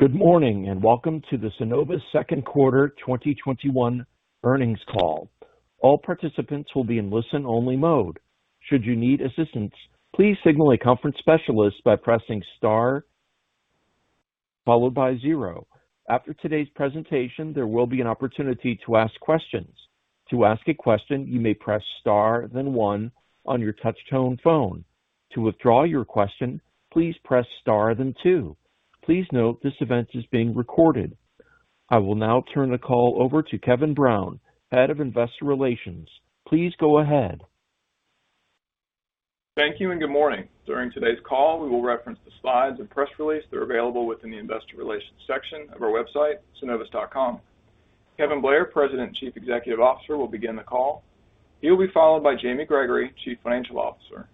Good morning, welcome to the Synovus second quarter 2021 earnings call. All participants will be in listen-only mode. Should you need assistance, please signal a conference specialist by pressing star followed by zero. After today's presentation, there will be an opportunity to ask questions. To ask a question, you may press star then one on your touchtone phone. To withdraw your question, please press star then two. Please note this event is being recorded. I will now turn the call over to Kevin Brown, head of investor relations. Please go ahead. Thank you. Good morning. During today's call, we will reference the slides and press release that are available within the investor relations section of our website, synovus.com. Kevin Blair, President and Chief Executive Officer, will begin the call. He'll be followed by Jamie Gregory, Chief Financial Officer,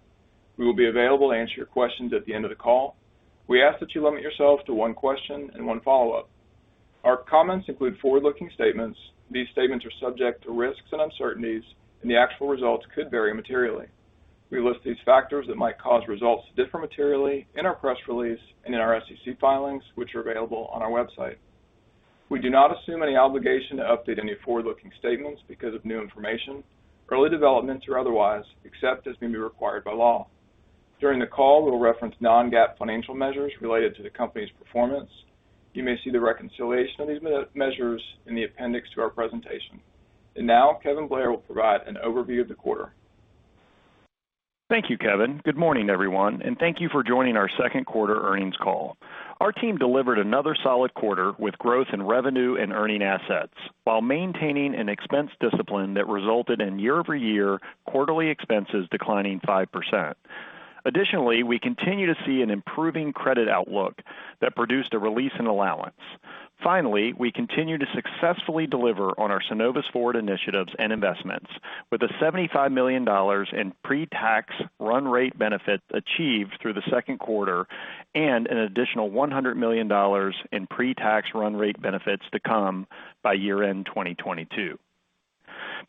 who will be available to answer your questions at the end of the call. We ask that you limit yourself to one question and one follow-up. Our comments include forward-looking statements. These statements are subject to risks and uncertainties, and the actual results could vary materially. We list these factors that might cause results to differ materially in our press release and in our SEC filings, which are available on our website. We do not assume any obligation to update any forward-looking statements because of new information, early developments, or otherwise, except as may be required by law. During the call, we'll reference non-GAAP financial measures related to the company's performance. You may see the reconciliation of these measures in the appendix to our presentation. Now, Kevin Blair will provide an overview of the quarter. Thank you, Kevin. Good morning, everyone, and thank you for joining our second quarter earnings call. Our team delivered another solid quarter with growth in revenue and earning assets while maintaining an expense discipline that resulted in year-over-year quarterly expenses declining 5%. We continue to see an improving credit outlook that produced a release in allowance. We continue to successfully deliver on our Synovus Forward initiatives and investments with a $75 million in pre-tax run rate benefits achieved through the second quarter and an additional $100 million in pre-tax run rate benefits to come by year-end 2022.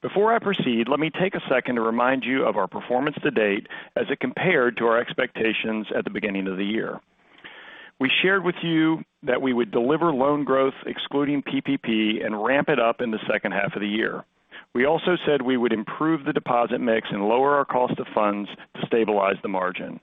Before I proceed, let me take a second to remind you of our performance to date as it compared to our expectations at the beginning of the year. We shared with you that we would deliver loan growth excluding PPP and ramp it up in the second half of the year. We also said we would improve the deposit mix and lower our cost of funds to stabilize the margin.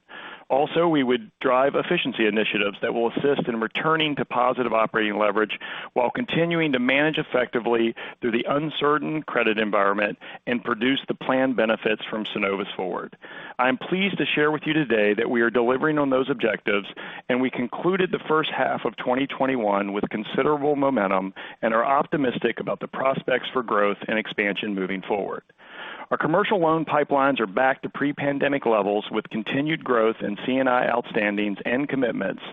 Also, we would drive efficiency initiatives that will assist in returning to positive operating leverage while continuing to manage effectively through the uncertain credit environment and produce the planned benefits from Synovus Forward. I'm pleased to share with you today that we are delivering on those objectives, and we concluded the first half of 2021 with considerable momentum and are optimistic about the prospects for growth and expansion moving forward. Our commercial loan pipelines are back to pre-pandemic levels with continued growth in C&I outstandings and commitments,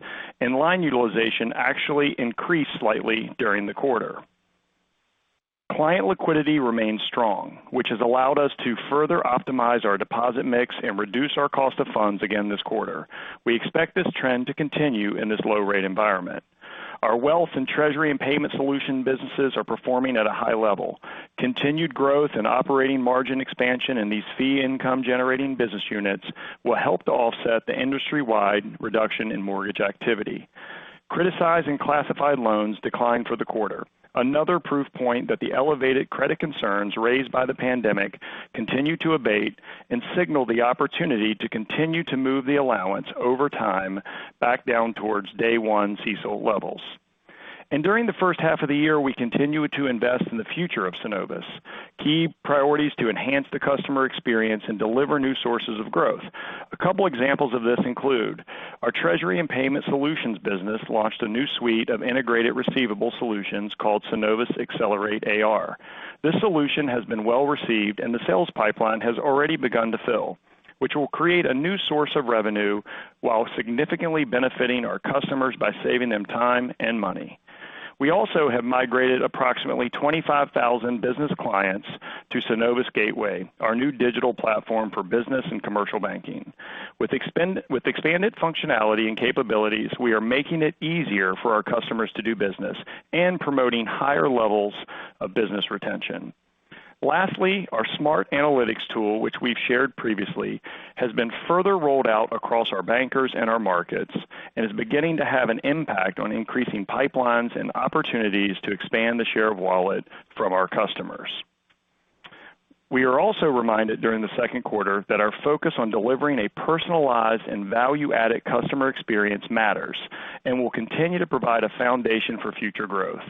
and line utilization actually increased slightly during the quarter. Client liquidity remains strong, which has allowed us to further optimize our deposit mix and reduce our cost of funds again this quarter. We expect this trend to continue in this low-rate environment. Our wealth and treasury and payment solution businesses are performing at a high level. Continued growth and operating margin expansion in these fee income-generating business units will help to offset the industry-wide reduction in mortgage activity. Criticized and classified loans declined for the quarter, another proof point that the elevated credit concerns raised by the pandemic continue to abate and signal the opportunity to continue to move the allowance over time back down towards day one CECL levels. During the first half of the year, we continued to invest in the future of Synovus. Key priorities to enhance the customer experience and deliver new sources of growth. A couple examples of this include our treasury and payment solutions business launched a new suite of integrated receivable solutions called Synovus Accelerate AR. This solution has been well-received, and the sales pipeline has already begun to fill, which will create a new source of revenue while significantly benefiting our customers by saving them time and money. We also have migrated approximately 25,000 business clients to Synovus Gateway, our new digital platform for business and commercial banking. With expanded functionality and capabilities, we are making it easier for our customers to do business and promoting higher levels of business retention. Lastly, our SMART tool, which we've shared previously, has been further rolled out across our bankers and our markets and is beginning to have an impact on increasing pipelines and opportunities to expand the share of wallet from our customers. We are also reminded during the second quarter that our focus on delivering a personalized and value-added customer experience matters and will continue to provide a foundation for future growth.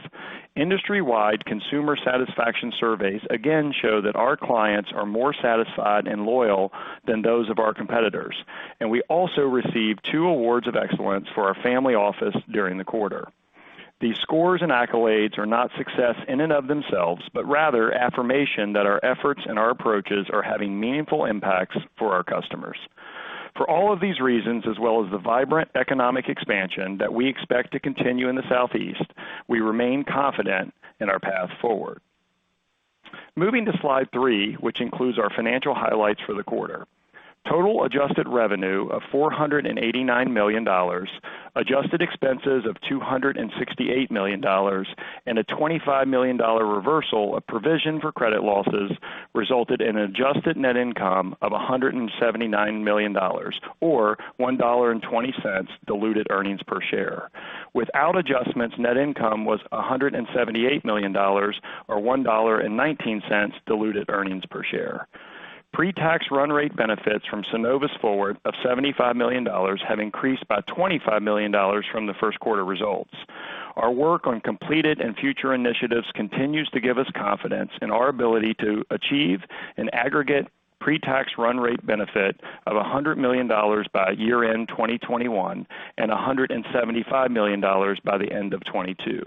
Industry-wide consumer satisfaction surveys again show that our clients are more satisfied and loyal than those of our competitors. We also received two awards of excellence for our family office during the quarter. These scores and accolades are not success in and of themselves, but rather affirmation that our efforts and our approaches are having meaningful impacts for our customers. For all of these reasons, as well as the vibrant economic expansion that we expect to continue in the Southeast, we remain confident in our path forward. Moving to slide three, which includes our financial highlights for the quarter. Total adjusted revenue of $489 million, adjusted expenses of $268 million, and a $25 million reversal of provision for credit losses resulted in an adjusted net income of $179 million or $1.20 diluted earnings per share. Without adjustments, net income was $178 million or $1.19 diluted earnings per share. Pre-tax run rate benefits from Synovus Forward of $75 million have increased by $25 million from the first quarter results. Our work on completed and future initiatives continues to give us confidence in our ability to achieve an aggregate pre-tax run rate benefit of $100 million by year-end 2021 and $175 million by the end of 2022.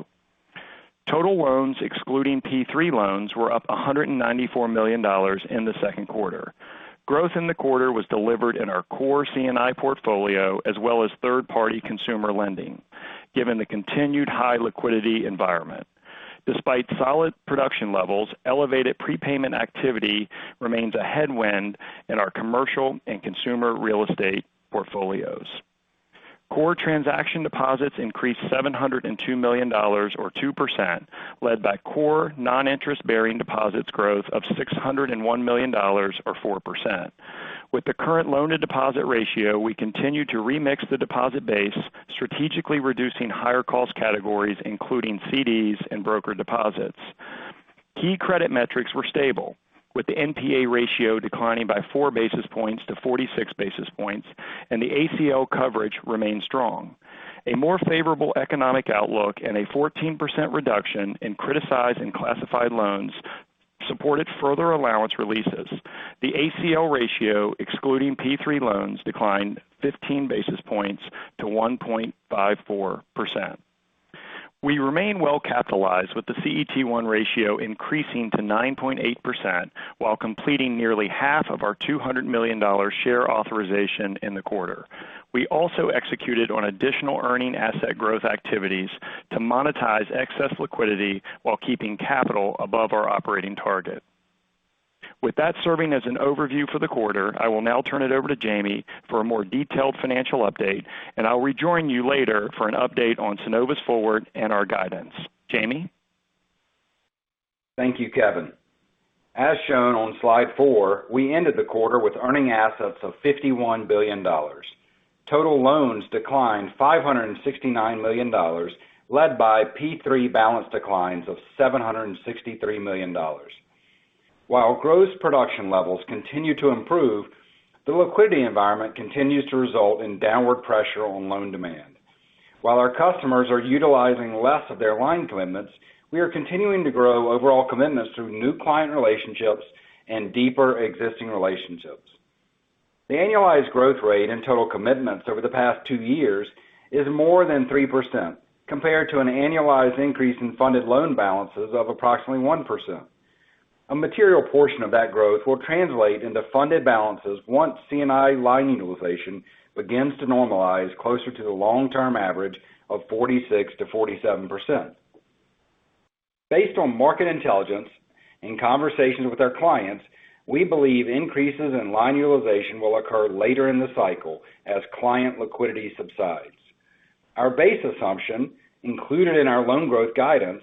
Total loans excluding PPP loans were up $194 million in the second quarter. Growth in the quarter was delivered in our core C&I portfolio as well as third-party consumer lending given the continued high liquidity environment. Despite solid production levels, elevated prepayment activity remains a headwind in our commercial and consumer real estate portfolios. Core transaction deposits increased $702 million or 2%, led by core non-interest-bearing deposits growth of $601 million or 4%. With the current loan-to-deposit ratio, we continue to remix the deposit base, strategically reducing higher cost categories, including CDs and broker deposits. Key credit metrics were stable, with the NPA ratio declining by 4 basis points to 46 basis points, and the ACL coverage remained strong. A more favorable economic outlook and a 14% reduction in criticized and classified loans supported further allowance releases. The ACL ratio excluding PPP loans declined 15 basis points to 1.54%. We remain well-capitalized with the CET1 ratio increasing to 9.8% while completing nearly half of our $200 million share authorization in the quarter. We also executed on additional earning asset growth activities to monetize excess liquidity while keeping capital above our operating target. With that serving as an overview for the quarter, I will now turn it over to Jamie for a more detailed financial update, and I'll rejoin you later for an update on Synovus Forward and our guidance. Jamie? Thank you, Kevin. As shown on slide four, we ended the quarter with earning assets of $51 billion. Total loans declined $569 million, led by PPP balance declines of $763 million. While gross production levels continue to improve, the liquidity environment continues to result in downward pressure on loan demand. While our customers are utilizing less of their line commitments, we are continuing to grow overall commitments through new client relationships and deeper existing relationships. The annualized growth rate in total commitments over the past two years is more than 3%, compared to an annualized increase in funded loan balances of approximately 1%. A material portion of that growth will translate into funded balances once C&I line utilization begins to normalize closer to the long-term average of 46%-47%. Based on market intelligence and conversations with our clients, we believe increases in line utilization will occur later in the cycle as client liquidity subsides. Our base assumption, included in our loan growth guidance,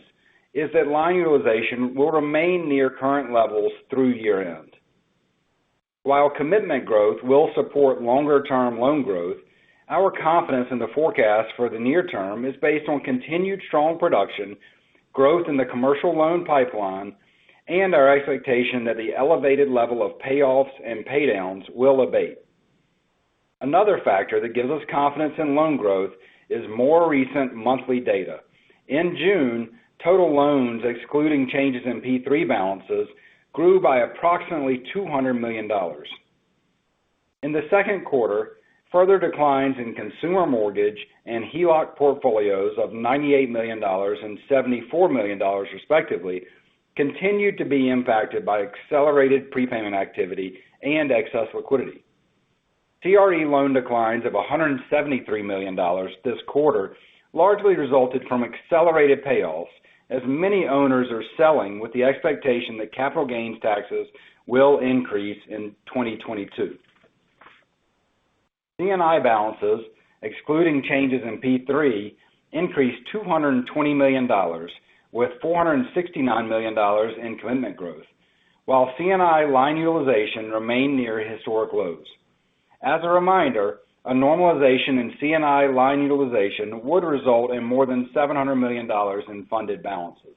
is that line utilization will remain near current levels through year-end. While commitment growth will support longer-term loan growth, our confidence in the forecast for the near term is based on continued strong production, growth in the commercial loan pipeline, and our expectation that the elevated level of payoffs and paydowns will abate. Another factor that gives us confidence in loan growth is more recent monthly data. In June, total loans, excluding changes in PPP balances, grew by approximately $200 million. In the second quarter, further declines in consumer mortgage and HELOC portfolios of $98 million and $74 million, respectively, continued to be impacted by accelerated prepayment activity and excess liquidity. CRE loan declines of $173 million this quarter largely resulted from accelerated payoffs, as many owners are selling with the expectation that capital gains taxes will increase in 2022. C&I balances, excluding changes in PPP, increased $220 million, with $469 million in commitment growth. While C&I line utilization remained near historic lows. As a reminder, a normalization in C&I line utilization would result in more than $700 million in funded balances.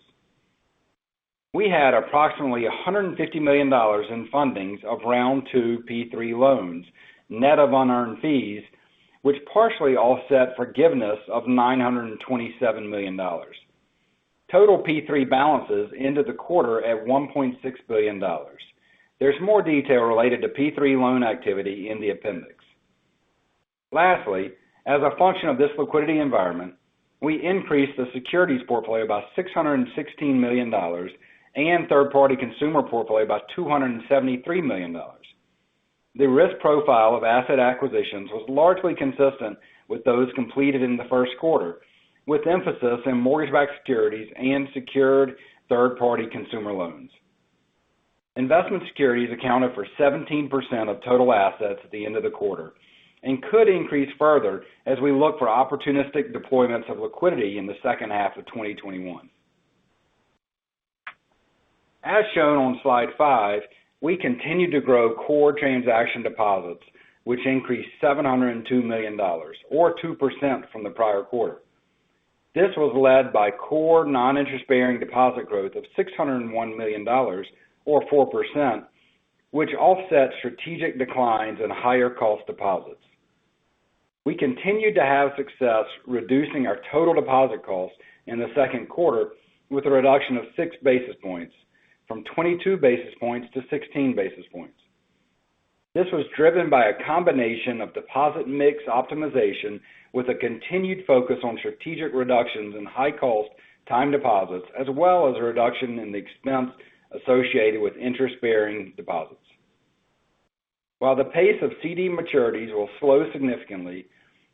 We had approximately $150 million in fundings of Round Two PPP loans, net of unearned fees, which partially offset forgiveness of $927 million. Total PPP balances ended the quarter at $1.6 billion. There's more detail related to PPP loan activity in the appendix. Lastly, as a function of this liquidity environment, we increased the securities portfolio by $616 million and third-party consumer portfolio by $273 million. The risk profile of asset acquisitions was largely consistent with those completed in the first quarter. With emphasis in mortgage-backed securities and secured third-party consumer loans. Investment securities accounted for 17% of total assets at the end of the quarter and could increase further as we look for opportunistic deployments of liquidity in the second half of 2021. As shown on slide five, we continued to grow core transaction deposits, which increased $702 million, or 2% from the prior quarter. This was led by core non-interest-bearing deposit growth of $601 million, or 4%, which offset strategic declines in higher cost deposits. We continued to have success reducing our total deposit costs in the second quarter with a reduction of 6 basis points from 22 basis points to 16 basis points. This was driven by a combination of deposit mix optimization with a continued focus on strategic reductions in high-cost time deposits, as well as a reduction in the expense associated with interest-bearing deposits. While the pace of CD maturities will slow significantly,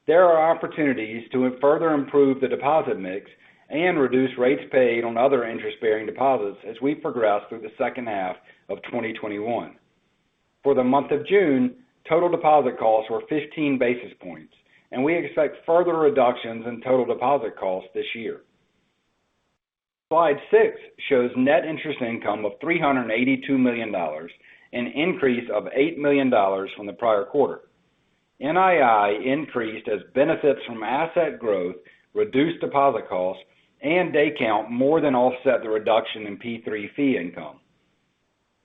there are opportunities to further improve the deposit mix and reduce rates paid on other interest-bearing deposits as we progress through the second half of 2021. For the month of June, total deposit costs were 15 basis points, and we expect further reductions in total deposit costs this year. Slide six shows net interest income of $382 million, an increase of $8 million from the prior quarter. NII increased as benefits from asset growth reduced deposit costs, and day count more than offset the reduction in PPP fee income.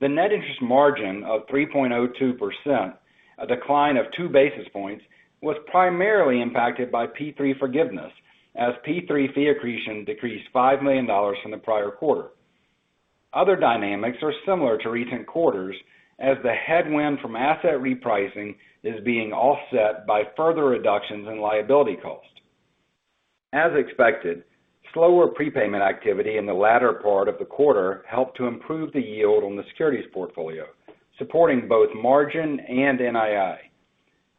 The net interest margin of 3.02%, a decline of two basis points, was primarily impacted by PPP forgiveness as PPP fee accretion decreased $5 million from the prior quarter. Other dynamics are similar to recent quarters as the headwind from asset repricing is being offset by further reductions in liability cost. As expected, slower prepayment activity in the latter part of the quarter helped to improve the yield on the securities portfolio, supporting both margin and NII.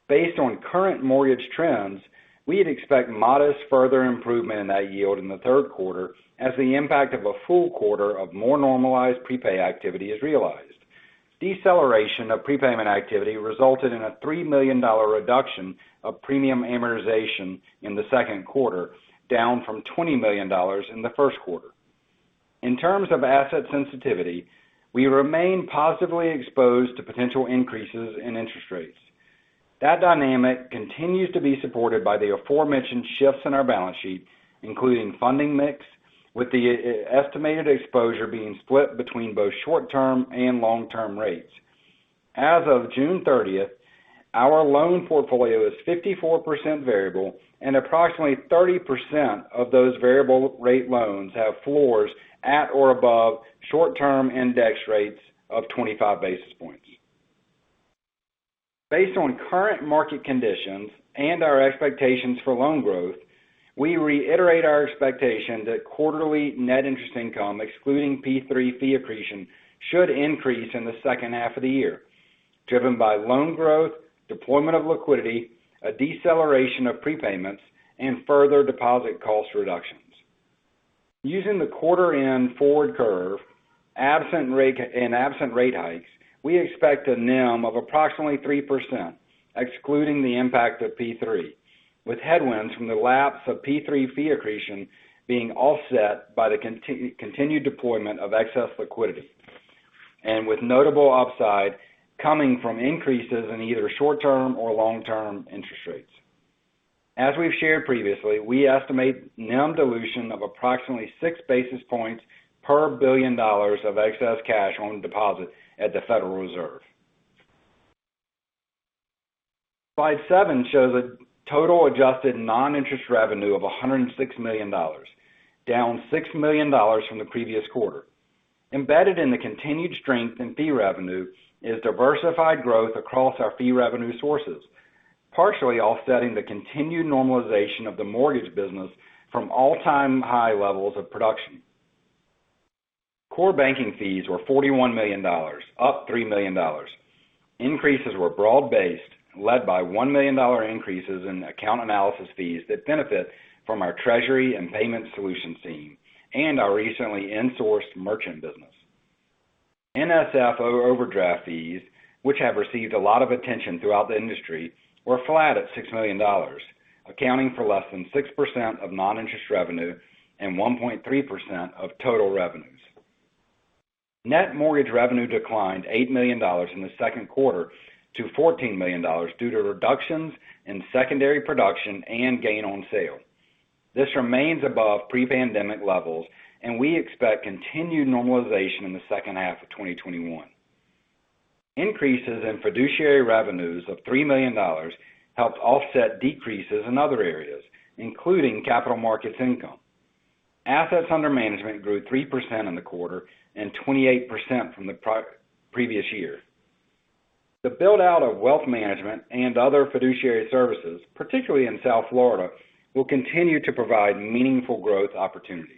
Based on current mortgage trends, we'd expect modest further improvement in that yield in the third quarter as the impact of a full quarter of more normalized prepay activity is realized. Deceleration of prepayment activity resulted in a $3 million reduction of premium amortization in the second quarter, down from $20 million in the first quarter. In terms of asset sensitivity, we remain positively exposed to potential increases in interest rates. That dynamic continues to be supported by the aforementioned shifts in our balance sheet, including funding mix, with the estimated exposure being split between both short-term and long-term rates. As of June 30th, our loan portfolio is 54% variable and approximately 30% of those variable rate loans have floors at or above short-term index rates of 25 basis points. Based on current market conditions and our expectations for loan growth, we reiterate our expectation that quarterly net interest income, excluding PPP fee accretion, should increase in the second half of the year, driven by loan growth, deployment of liquidity, a deceleration of prepayments, and further deposit cost reductions. Using the quarter end forward curve, and absent rate hikes, we expect a NIM of approximately 3%, excluding the impact of PPP, with headwinds from the lapse of PPP fee accretion being offset by the continued deployment of excess liquidity, and with notable upside coming from increases in either short-term or long-term interest rates. As we've shared previously, we estimate NIM dilution of approximately 6 basis points per billion dollars of excess cash on deposit at the Federal Reserve. Slide seven shows a total adjusted non-interest revenue of $106 million, down $6 million from the previous quarter. Embedded in the continued strength in fee revenue is diversified growth across our fee revenue sources, partially offsetting the continued normalization of the mortgage business from all-time high levels of production. Core banking fees were $41 million, up $3 million. Increases were broad based, led by $1 million increases in account analysis fees that benefit from our treasury and payment solutions team, and our recently in-sourced merchant business. NSF/overdraft fees, which have received a lot of attention throughout the industry, were flat at $6 million, accounting for less than 6% of non-interest revenue and 1.3% of total revenues. Net mortgage revenue declined $8 million in the second quarter to $14 million due to reductions in secondary production and gain on sale. This remains above pre-pandemic levels, and we expect continued normalization in the second half of 2021. Increases in fiduciary revenues of $3 million helped offset decreases in other areas, including capital markets income. Assets under management grew 3% in the quarter and 28% from the previous year. The build-out of wealth management and other fiduciary services, particularly in South Florida, will continue to provide meaningful growth opportunities.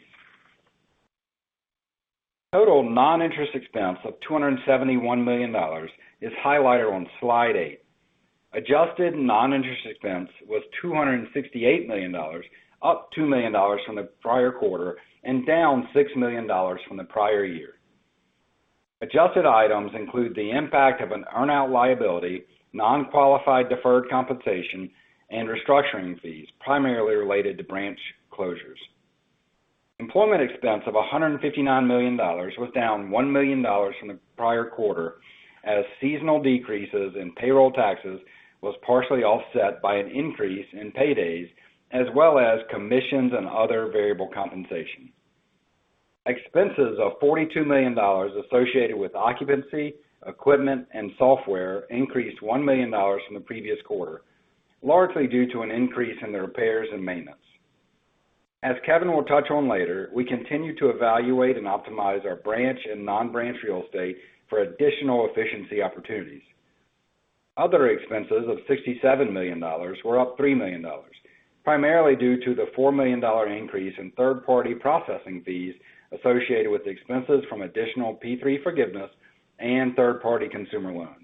Total non-interest expense of $271 million is highlighted on slide eight. Adjusted non-interest expense was $268 million, up $2 million from the prior quarter, and down $6 million from the prior year. Adjusted items include the impact of an earn-out liability, non-qualified deferred compensation, and restructuring fees primarily related to branch closures. Employment expense of $159 million was down $1 million from the prior quarter as seasonal decreases in payroll taxes was partially offset by an increase in paydays, as well as commissions and other variable compensation. Expenses of $42 million associated with occupancy, equipment, and software increased $1 million from the previous quarter, largely due to an increase in the repairs and maintenance. As Kevin will touch on later, we continue to evaluate and optimize our branch and non-branch real estate for additional efficiency opportunities. Other expenses of $67 million were up $3 million, primarily due to the $4 million increase in third-party processing fees associated with expenses from additional PPP forgiveness and third-party consumer loans.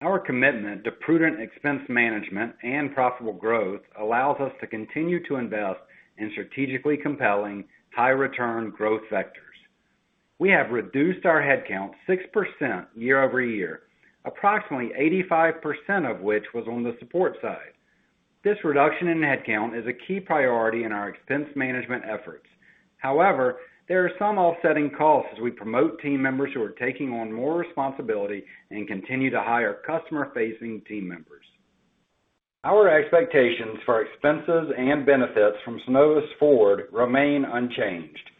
Our commitment to prudent expense management and profitable growth allows us to continue to invest in strategically compelling high return growth vectors. We have reduced our headcount 6% year-over-year, approximately 85% of which was on the support side. This reduction in headcount is a key priority in our expense management efforts. However, there are some offsetting costs as we promote team members who are taking on more responsibility and continue to hire customer-facing team members. Our expectations for expenses and benefits from Synovus Forward remain unchanged.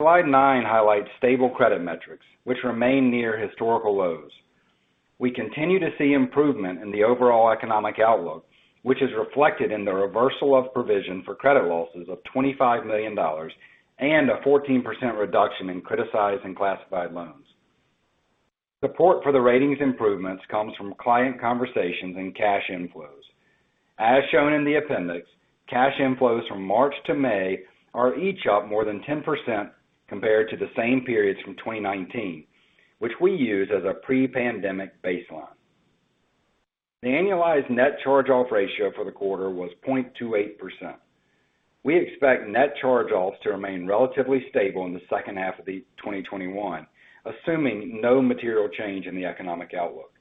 Slide nine highlights stable credit metrics, which remain near historical lows. We continue to see improvement in the overall economic outlook, which is reflected in the reversal of provision for credit losses of $25 million and a 14% reduction in criticized and classified loans. Support for the ratings improvements comes from client conversations and cash inflows. As shown in the appendix, cash inflows from March to May are each up more than 10% compared to the same periods from 2019, which we use as a pre-pandemic baseline. The annualized net charge-off ratio for the quarter was 0.28%. We expect net charge-offs to remain relatively stable in the second half of the 2021, assuming no material change in the economic outlook.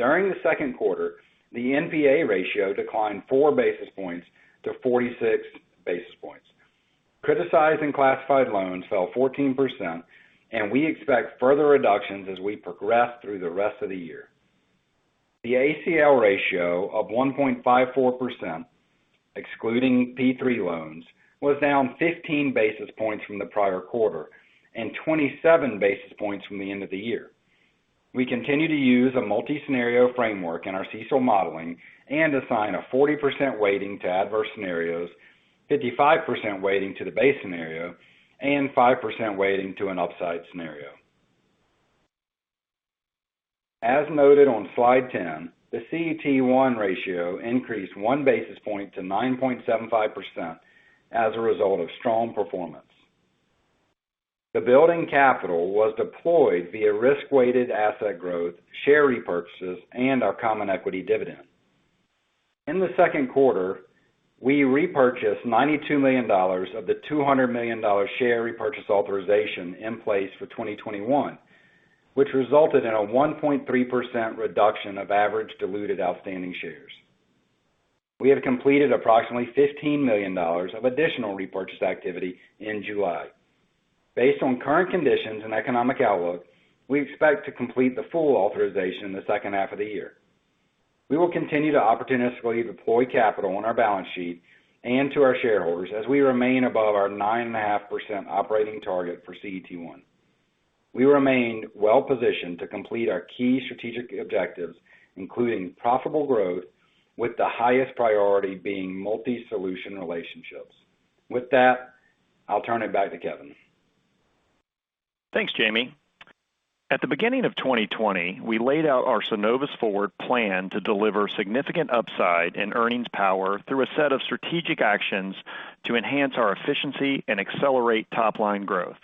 During the second quarter, the NPA ratio declined 4 basis points to 46 basis points. Criticized and classified loans fell 14%, and we expect further reductions as we progress through the rest of the year. The ACL ratio of 1.54%, excluding PPP loans, was down 15 basis points from the prior quarter and 27 basis points from the end of the year. We continue to use a multi-scenario framework in our CECL modeling and assign a 40% weighting to adverse scenarios, 55% weighting to the base scenario, and 5% weighting to an upside scenario. As noted on slide 10, the CET1 ratio increased 1 basis point to 9.75% as a result of strong performance. The building capital was deployed via risk-weighted asset growth, share repurchases, and our common equity dividend. In the second quarter, we repurchased $92 million of the $200 million share repurchase authorization in place for 2021, which resulted in a 1.3% reduction of average diluted outstanding shares. We have completed approximately $15 million of additional repurchase activity in July. Based on current conditions and economic outlook, we expect to complete the full authorization in the second half of the year. We will continue to opportunistically deploy capital on our balance sheet and to our shareholders as we remain above our 9.5% operating target for CET1. We remain well positioned to complete our key strategic objectives, including profitable growth, with the highest priority being multi-solution relationships. With that, I'll turn it back to Kevin. Thanks, Jamie. At the beginning of 2020, we laid out our Synovus Forward plan to deliver significant upside in earnings power through a set of strategic actions to enhance our efficiency and accelerate top-line growth.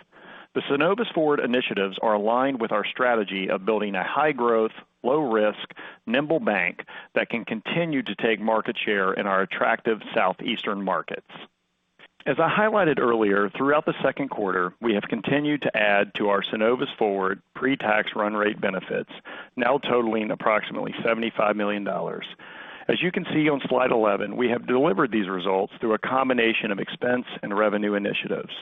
The Synovus Forward initiatives are aligned with our strategy of building a high-growth, low-risk, nimble bank that can continue to take market share in our attractive Southeastern markets. As I highlighted earlier, throughout the second quarter, we have continued to add to our Synovus Forward pre-tax run rate benefits, now totaling approximately $75 million. As you can see on slide 11, we have delivered these results through a combination of expense and revenue initiatives.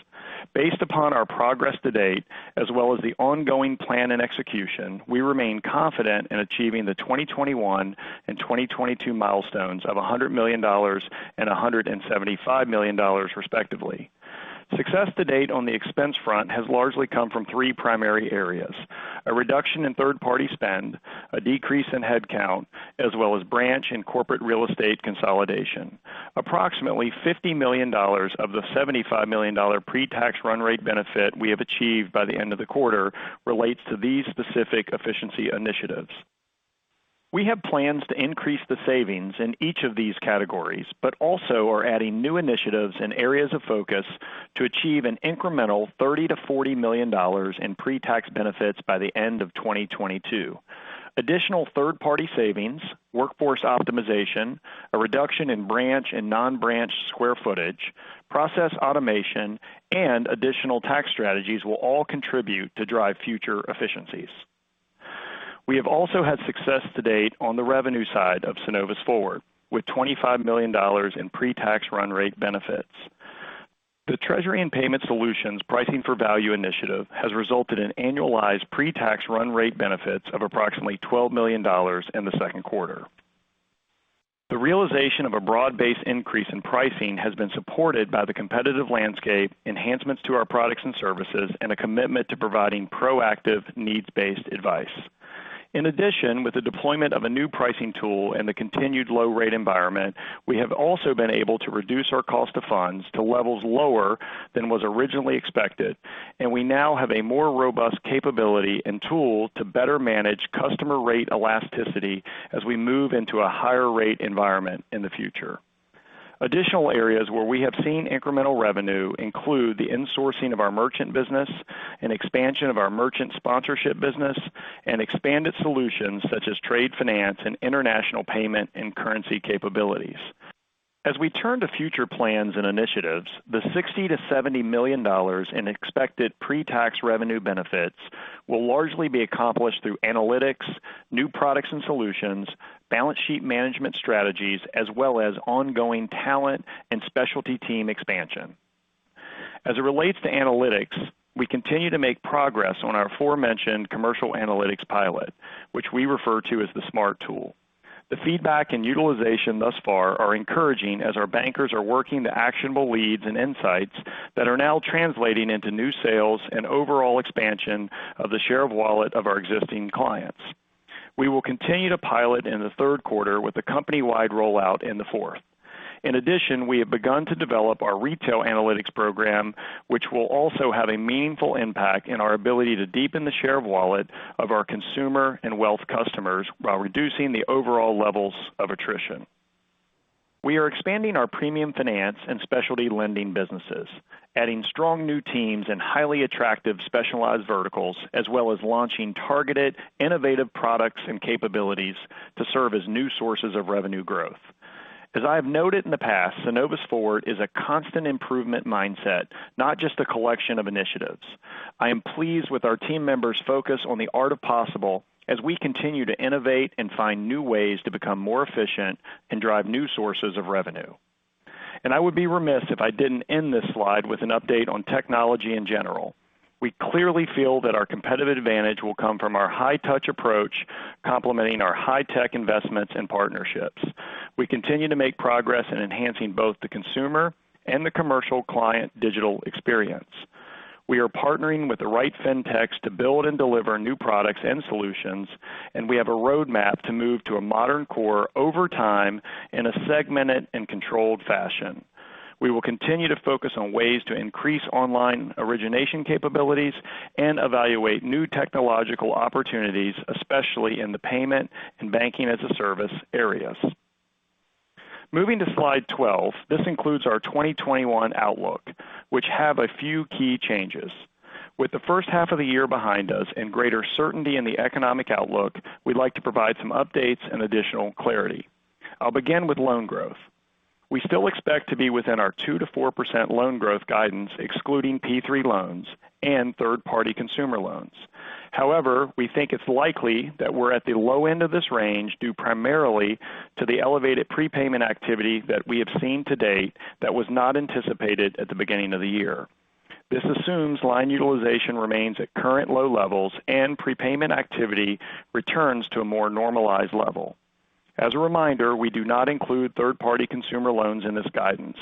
Based upon our progress to date as well as the ongoing plan and execution, we remain confident in achieving the 2021 and 2022 milestones of $100 million and $175 million respectively. Success to date on the expense front has largely come from three primary areas: a reduction in third-party spend, a decrease in head count, as well as branch and corporate real estate consolidation. Approximately $50 million of the $75 million pre-tax run rate benefit we have achieved by the end of the quarter relates to these specific efficiency initiatives. We have plans to increase the savings in each of these categories, but also are adding new initiatives and areas of focus to achieve an incremental $30 million-$40 million in pre-tax benefits by the end of 2022. Additional third-party savings, workforce optimization, a reduction in branch and non-branch square footage, process automation, and additional tax strategies will all contribute to drive future efficiencies. We have also had success to date on the revenue side of Synovus Forward, with $25 million in pre-tax run rate benefits. The Treasury and Payment Solutions Pricing for Value Initiative has resulted in annualized pre-tax run rate benefits of approximately $12 million in the Second Quarter. The realization of a broad-based increase in pricing has been supported by the competitive landscape, enhancements to our products and services, and a commitment to providing proactive needs-based advice. In addition, with the deployment of a new pricing tool and the continued low rate environment, we have also been able to reduce our cost of funds to levels lower than was originally expected, and we now have a more robust capability and tool to better manage customer rate elasticity as we move into a higher rate environment in the future. Additional areas where we have seen incremental revenue include the insourcing of our merchant business and expansion of our merchant sponsorship business and expanded solutions such as trade finance and international payment and currency capabilities. As we turn to future plans and initiatives, the $60 million-$70 million in expected pre-tax revenue benefits will largely be accomplished through analytics, new products and solutions, balance sheet management strategies, as well as ongoing talent and specialty team expansion. As it relates to analytics, we continue to make progress on our aforementioned commercial analytics pilot, which we refer to as the SMART tool. The feedback and utilization thus far are encouraging as our bankers are working to actionable leads and insights that are now translating into new sales and overall expansion of the share of wallet of our existing clients. We will continue to pilot in the third quarter with a company-wide rollout in the fourth. We have begun to develop our retail analytics program, which will also have a meaningful impact in our ability to deepen the share of wallet of our consumer and wealth customers while reducing the overall levels of attrition. We are expanding our premium finance and specialty lending businesses, adding strong new teams and highly attractive specialized verticals, as well as launching targeted, innovative products and capabilities to serve as new sources of revenue growth. As I have noted in the past, Synovus Forward is a constant improvement mindset, not just a collection of initiatives. I am pleased with our team members' focus on the art of possible as we continue to innovate and find new ways to become more efficient and drive new sources of revenue. I would be remiss if I didn't end this slide with an update on technology in general. We clearly feel that our competitive advantage will come from our high-touch approach, complementing our high-tech investments and partnerships. We continue to make progress in enhancing both the consumer and the commercial client digital experience. We are partnering with the right fintechs to build and deliver new products and solutions, and we have a roadmap to move to a modern core over time in a segmented and controlled fashion. We will continue to focus on ways to increase online origination capabilities and evaluate new technological opportunities, especially in the payment and banking-as-a-service areas. Moving to slide 12, this includes our 2021 outlook, which have a few key changes. With the first half of the year behind us and greater certainty in the economic outlook, we'd like to provide some updates and additional clarity. I'll begin with loan growth. We still expect to be within our 2%-4% loan growth guidance, excluding PPP loans and third-party consumer loans. However, we think it's likely that we're at the low end of this range, due primarily to the elevated prepayment activity that we have seen to date that was not anticipated at the beginning of the year. This assumes line utilization remains at current low levels and prepayment activity returns to a more normalized level. As a reminder, we do not include third-party consumer loans in this guidance.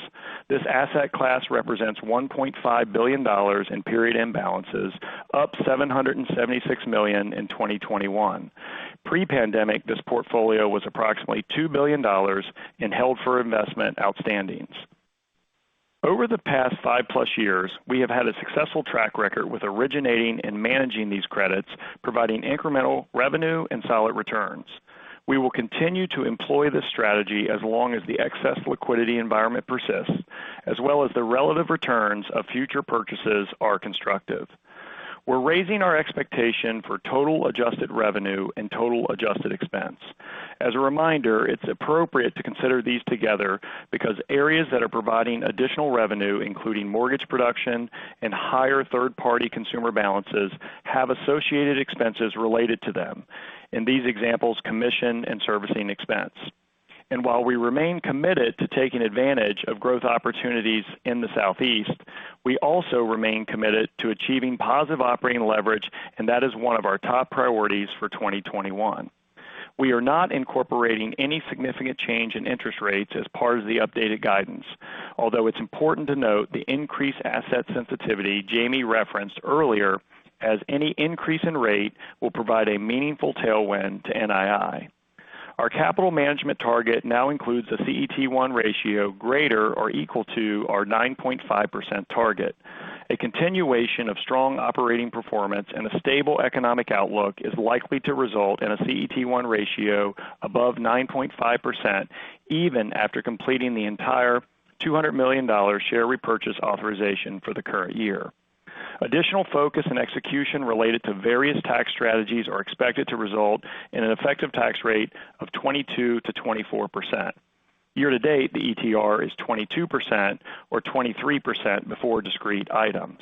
This asset class represents $1.5 billion in period-end balances, up $776 million in 2021. Pre-pandemic, this portfolio was approximately $2 billion in held-for-investment outstandings. Over the past five-plus years, we have had a successful track record with originating and managing these credits, providing incremental revenue and solid returns. We will continue to employ this strategy as long as the excess liquidity environment persists, as well as the relative returns of future purchases are constructive. We're raising our expectation for total adjusted revenue and total adjusted expense. As a reminder, it's appropriate to consider these together because areas that are providing additional revenue, including mortgage production and higher third-party consumer balances, have associated expenses related to them. In these examples, commission and servicing expense. While we remain committed to taking advantage of growth opportunities in the Southeast, we also remain committed to achieving positive operating leverage, and that is one of our top priorities for 2021. We are not incorporating any significant change in interest rates as part of the updated guidance. Although it's important to note the increased asset sensitivity Jamie referenced earlier as any increase in rate will provide a meaningful tailwind to NII. Our capital management target now includes a CET1 ratio greater or equal to our 9.5% target. A continuation of strong operating performance and a stable economic outlook is likely to result in a CET1 ratio above 9.5%, even after completing the entire $200 million share repurchase authorization for the current year. Additional focus and execution related to various tax strategies are expected to result in an effective tax rate of 22%-24%. Year to date, the ETR is 22% or 23% before discrete items.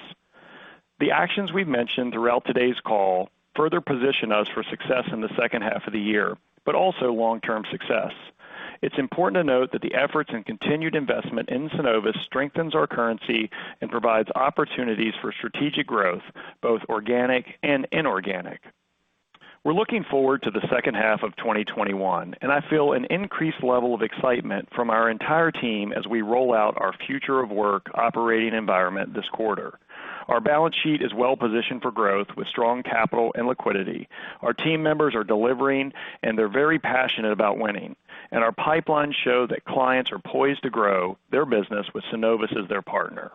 The actions we've mentioned throughout today's call further position us for success in the second half of the year, but also long-term success. It's important to note that the efforts and continued investment in Synovus strengthens our currency and provides opportunities for strategic growth, both organic and inorganic. We're looking forward to the second half of 2021, and I feel an increased level of excitement from our entire team as we roll out our future of work operating environment this quarter. Our balance sheet is well-positioned for growth with strong capital and liquidity. Our team members are delivering, and they're very passionate about winning. Our pipelines show that clients are poised to grow their business with Synovus as their partner.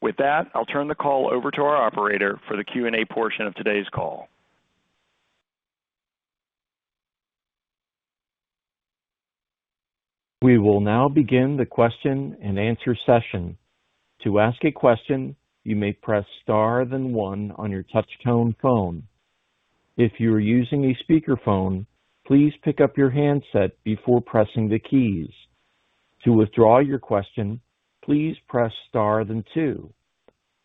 With that, I'll turn the call over to our operator for the Q&A portion of today's call. We will now begin the question and answer session. To ask a question, you may press star then one on your touch tone phone. If you are using a speakerphone, please pick up your handset before pressing the keys. To withdraw your question, please press star then two.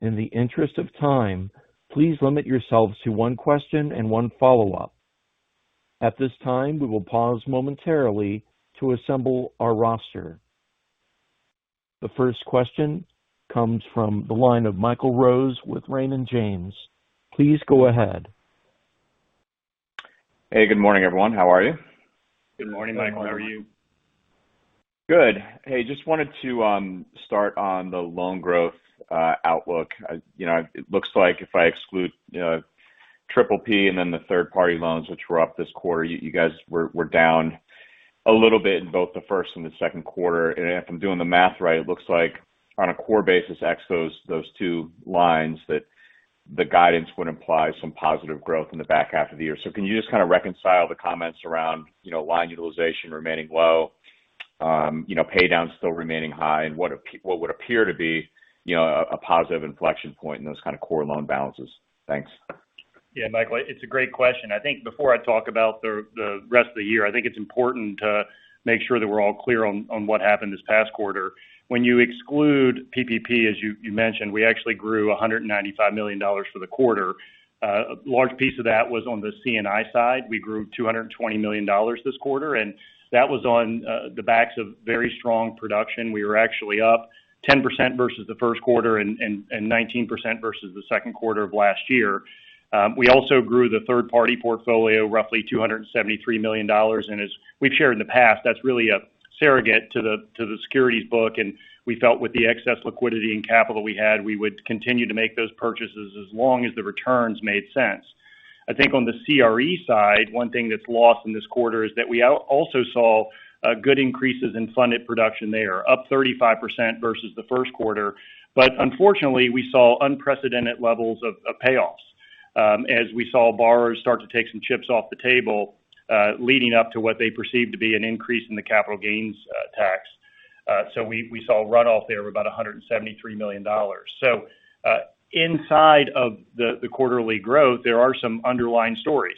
In the interest of time, please limit yourselves to one question and one follow-up. At this time, we will pause momentarily to assemble our roster. The first question comes from the line of Michael Rose with Raymond James. Please go ahead. Hey, good morning, everyone. How are you? Good morning, Michael. How are you? Good. Hey, just wanted to start on the loan growth outlook. It looks like if I exclude PPP and then the third-party loans, which were up this quarter, you guys were down a little bit in both the first and the second quarter. If I'm doing the math right, it looks like on a core basis, ex those two lines, that the guidance would imply some positive growth in the back half of the year. Can you just kind of reconcile the comments around line utilization remaining low, pay-down still remaining high, and what would appear to be a positive inflection point in those kind of core loan balances? Thanks. Yeah, Michael, it's a great question. I think before I talk about the rest of the year, I think it's important to make sure that we're all clear on what happened this past quarter. When you exclude PPP, as you mentioned, we actually grew $195 million for the quarter. A large piece of that was on the C&I side. We grew $220 million this quarter, and that was on the backs of very strong production. We were actually up 10% versus the first quarter and 19% versus the second quarter of last year. We also grew the third-party portfolio roughly $273 million, and as we've shared in the past, that's really a surrogate to the securities book, and we felt with the excess liquidity and capital we had, we would continue to make those purchases as long as the returns made sense. I think on the CRE side, one thing that's lost in this quarter is that we also saw good increases in funded production there, up 35% versus the first quarter. Unfortunately, we saw unprecedented levels of payoffs as we saw borrowers start to take some chips off the table leading up to what they perceived to be an increase in the capital gains tax. We saw a runoff there of about $173 million. Inside of the quarterly growth, there are some underlying stories.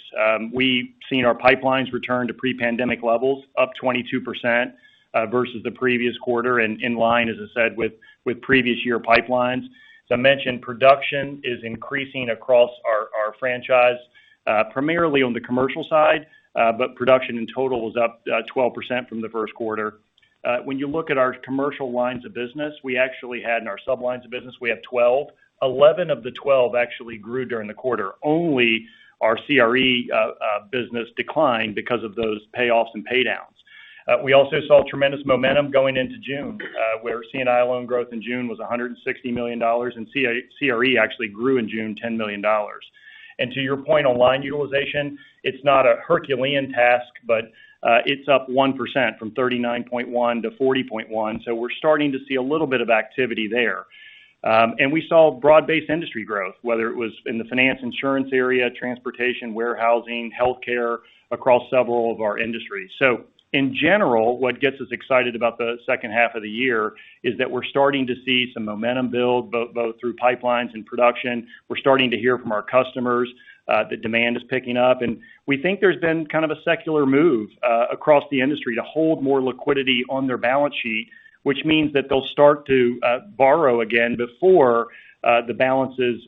We've seen our pipelines return to pre-pandemic levels, up 22% versus the previous quarter, and in line, as I said, with previous year pipelines. As I mentioned, production is increasing across our franchise primarily on the commercial side but production in total was up 12% from the first quarter. When you look at our commercial lines of business, we actually had in our sub-lines of business, we have 12. 11 of the 12 actually grew during the quarter. Only our CRE business declined because of those payoffs and paydowns. We also saw tremendous momentum going into June where C&I loan growth in June was $160 million, and CRE actually grew in June $10 million. To your point on line utilization, it's not a Herculean task, but it's up 1% from 39.1 to 40.1, so we're starting to see a little bit of activity there. We saw broad-based industry growth, whether it was in the finance insurance area, transportation, warehousing, healthcare, across several of our industries. In general, what gets us excited about the second half of the year is that we're starting to see some momentum build both through pipelines and production. We're starting to hear from our customers that demand is picking up, and we think there's been kind of a secular move across the industry to hold more liquidity on their balance sheet, which means that they'll start to borrow again before the balances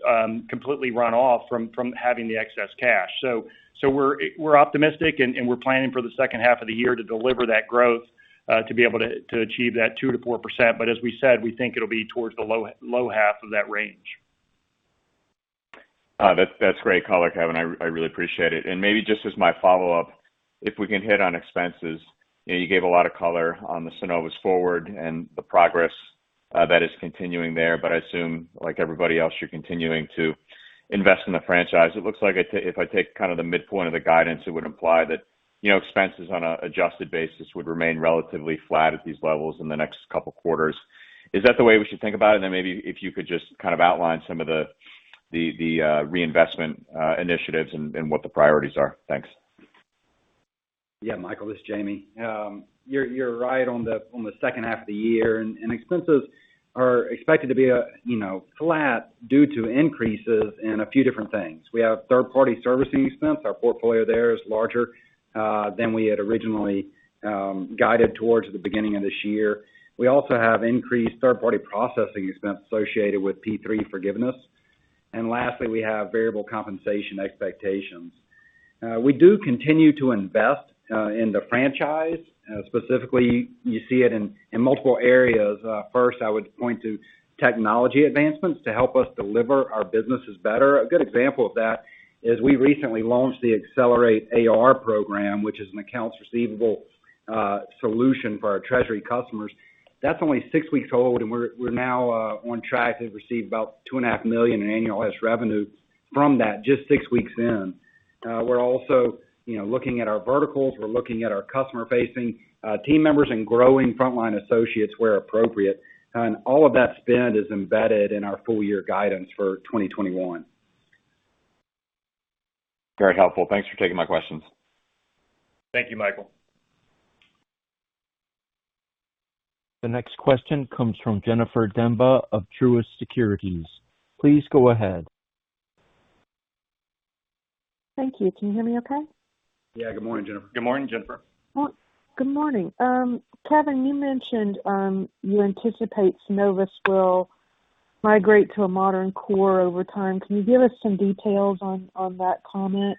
completely run off from having the excess cash. We're optimistic, and we're planning for the second half of the year to deliver that growth to be able to achieve that 2% to 4%. As we said, we think it'll be towards the low half of that range. That's great color, Kevin. I really appreciate it. Maybe just as my follow-up, if we can hit on expenses. You gave a lot of color on the Synovus Forward and the progress that is continuing there, but I assume, like everybody else, you're continuing to invest in the franchise. It looks like if I take the midpoint of the guidance, it would imply that expenses on an adjusted basis would remain relatively flat at these levels in the next two quarters. Is that the way we should think about it? Then maybe if you could just outline some of the reinvestment initiatives and what the priorities are. Thanks. Yeah, Michael, this is Jamie. You're right on the second half of the year, and expenses are expected to be flat due to increases in a few different things. We have third-party servicing expense. Our portfolio there is larger than we had originally guided towards at the beginning of this year. We also have increased third-party processing expense associated with PPP forgiveness. Lastly, we have variable compensation expectations. We do continue to invest in the franchise. Specifically, you see it in multiple areas. First, I would point to technology advancements to help us deliver our businesses better. A good example of that is we recently launched the Accelerate AR program, which is an accounts receivable solution for our treasury customers. That's only six weeks old, and we're now on track to receive about $2.5 million in annualized revenue from that, just six weeks in. We're also looking at our verticals. We're looking at our customer-facing team members and growing frontline associates where appropriate. All of that spend is embedded in our full-year guidance for 2021. Very helpful. Thanks for taking my questions. Thank you, Michael. The next question comes from Jennifer Demba of Truist Securities. Please go ahead. Thank you. Can you hear me okay? Yeah. Good morning, Jennifer. Good morning, Jennifer. Good morning. Kevin, you mentioned you anticipate Synovus will migrate to a modern core over time. Can you give us some details on that comment?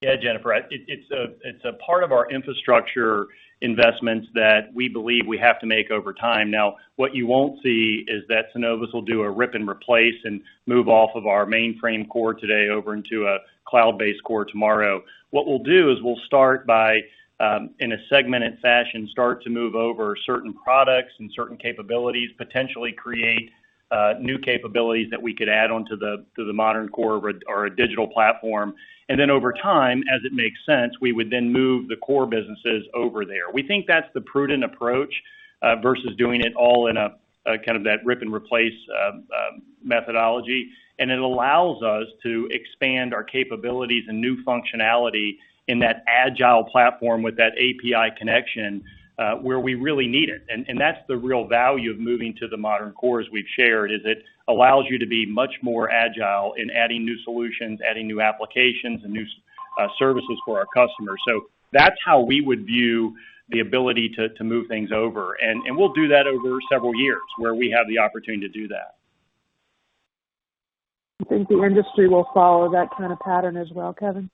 Yeah, Jennifer, it's a part of our infrastructure investments that we believe we have to make over time. What you won't see is that Synovus will do a rip and replace and move off of our mainframe core today over into a cloud-based core tomorrow. What we'll do is we'll start by, in a segmented fashion, start to move over certain products and certain capabilities, potentially create new capabilities that we could add onto the modern core or a digital platform. Over time, as it makes sense, we would then move the core businesses over there. We think that's the prudent approach versus doing it all in that rip-and-replace methodology. It allows us to expand our capabilities and new functionality in that agile platform with that API connection where we really need it. That's the real value of moving to the modern core, as we've shared, is it allows you to be much more agile in adding new solutions, adding new applications, and new services for our customers. That's how we would view the ability to move things over. We'll do that over several years where we have the opportunity to do that. Do you think the industry will follow that kind of pattern as well, Kevin?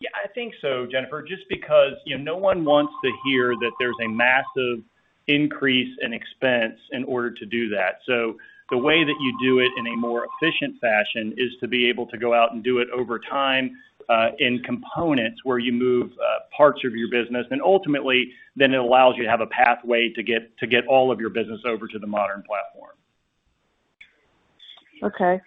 Yeah, I think so, Jennifer, just because no one wants to hear that there's a massive increase in expense in order to do that. The way that you do it in a more efficient fashion is to be able to go out and do it over time in components where you move parts of your business, and ultimately, then it allows you to have a pathway to get all of your business over to the modern platform. Okay.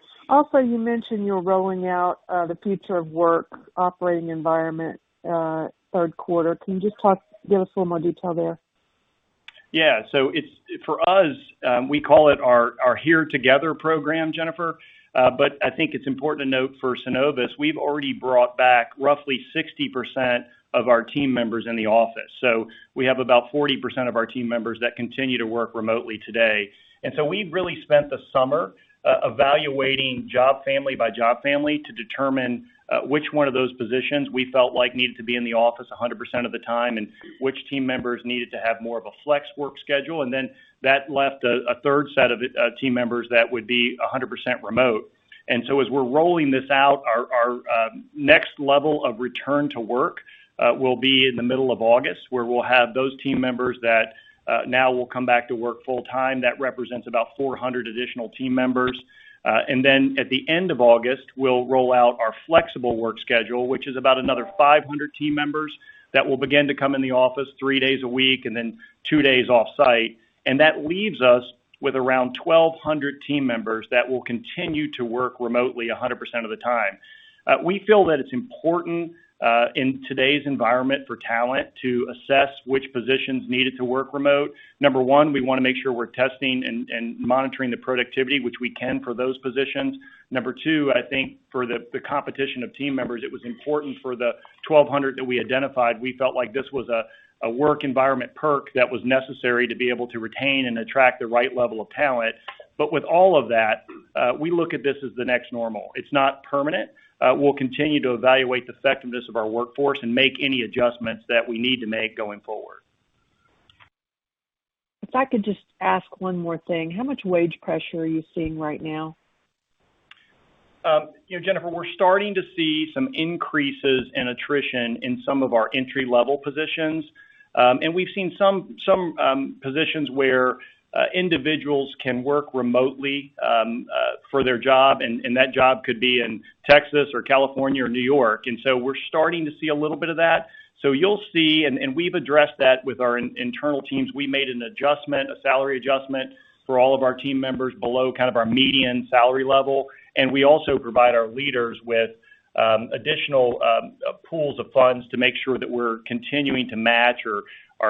You mentioned you're rolling out the future of work operating environment third quarter, can you just give us a little more detail there? For us, we call it our Here Together program, Jennifer. I think it's important to note for Synovus, we've already brought back roughly 60% of our team members in the office. We have about 40% of our team members that continue to work remotely today. We've really spent the summer evaluating job family by job family to determine which one of those positions we felt like needed to be in the office 100% of the time and which team members needed to have more of a flex work schedule. That left a third set of team members that would be 100% remote. As we're rolling this out, our next level of return to work will be in the middle of August, where we'll have those team members that now will come back to work full time. That represents about 400 additional team members. At the end of August, we'll roll out our flexible work schedule, which is about another 500 team members that will begin to come in the office three days a week and then two days off-site. That leaves us with around 1,200 team members that will continue to work remotely 100% of the time. We feel that it's important in today's environment for talent to assess which positions needed to work remote. Number one, we want to make sure we're testing and monitoring the productivity, which we can for those positions. Number two, I think for the competition of team members, it was important for the 1,200 that we identified. We felt like this was a work environment perk that was necessary to be able to retain and attract the right level of talent. With all of that, we look at this as the next normal. It's not permanent. We'll continue to evaluate the effectiveness of our workforce and make any adjustments that we need to make going forward. If I could just ask one more thing, how much wage pressure are you seeing right now? Jennifer, we're starting to see some increases in attrition in some of our entry-level positions. We've seen some positions where individuals can work remotely for their job, and that job could be in Texas or California or New York. We're starting to see a little bit of that. You'll see, and we've addressed that with our internal teams. We made an adjustment, a salary adjustment for all of our team members below kind of our median salary level. We also provide our leaders with additional pools of funds to make sure that we're continuing to match or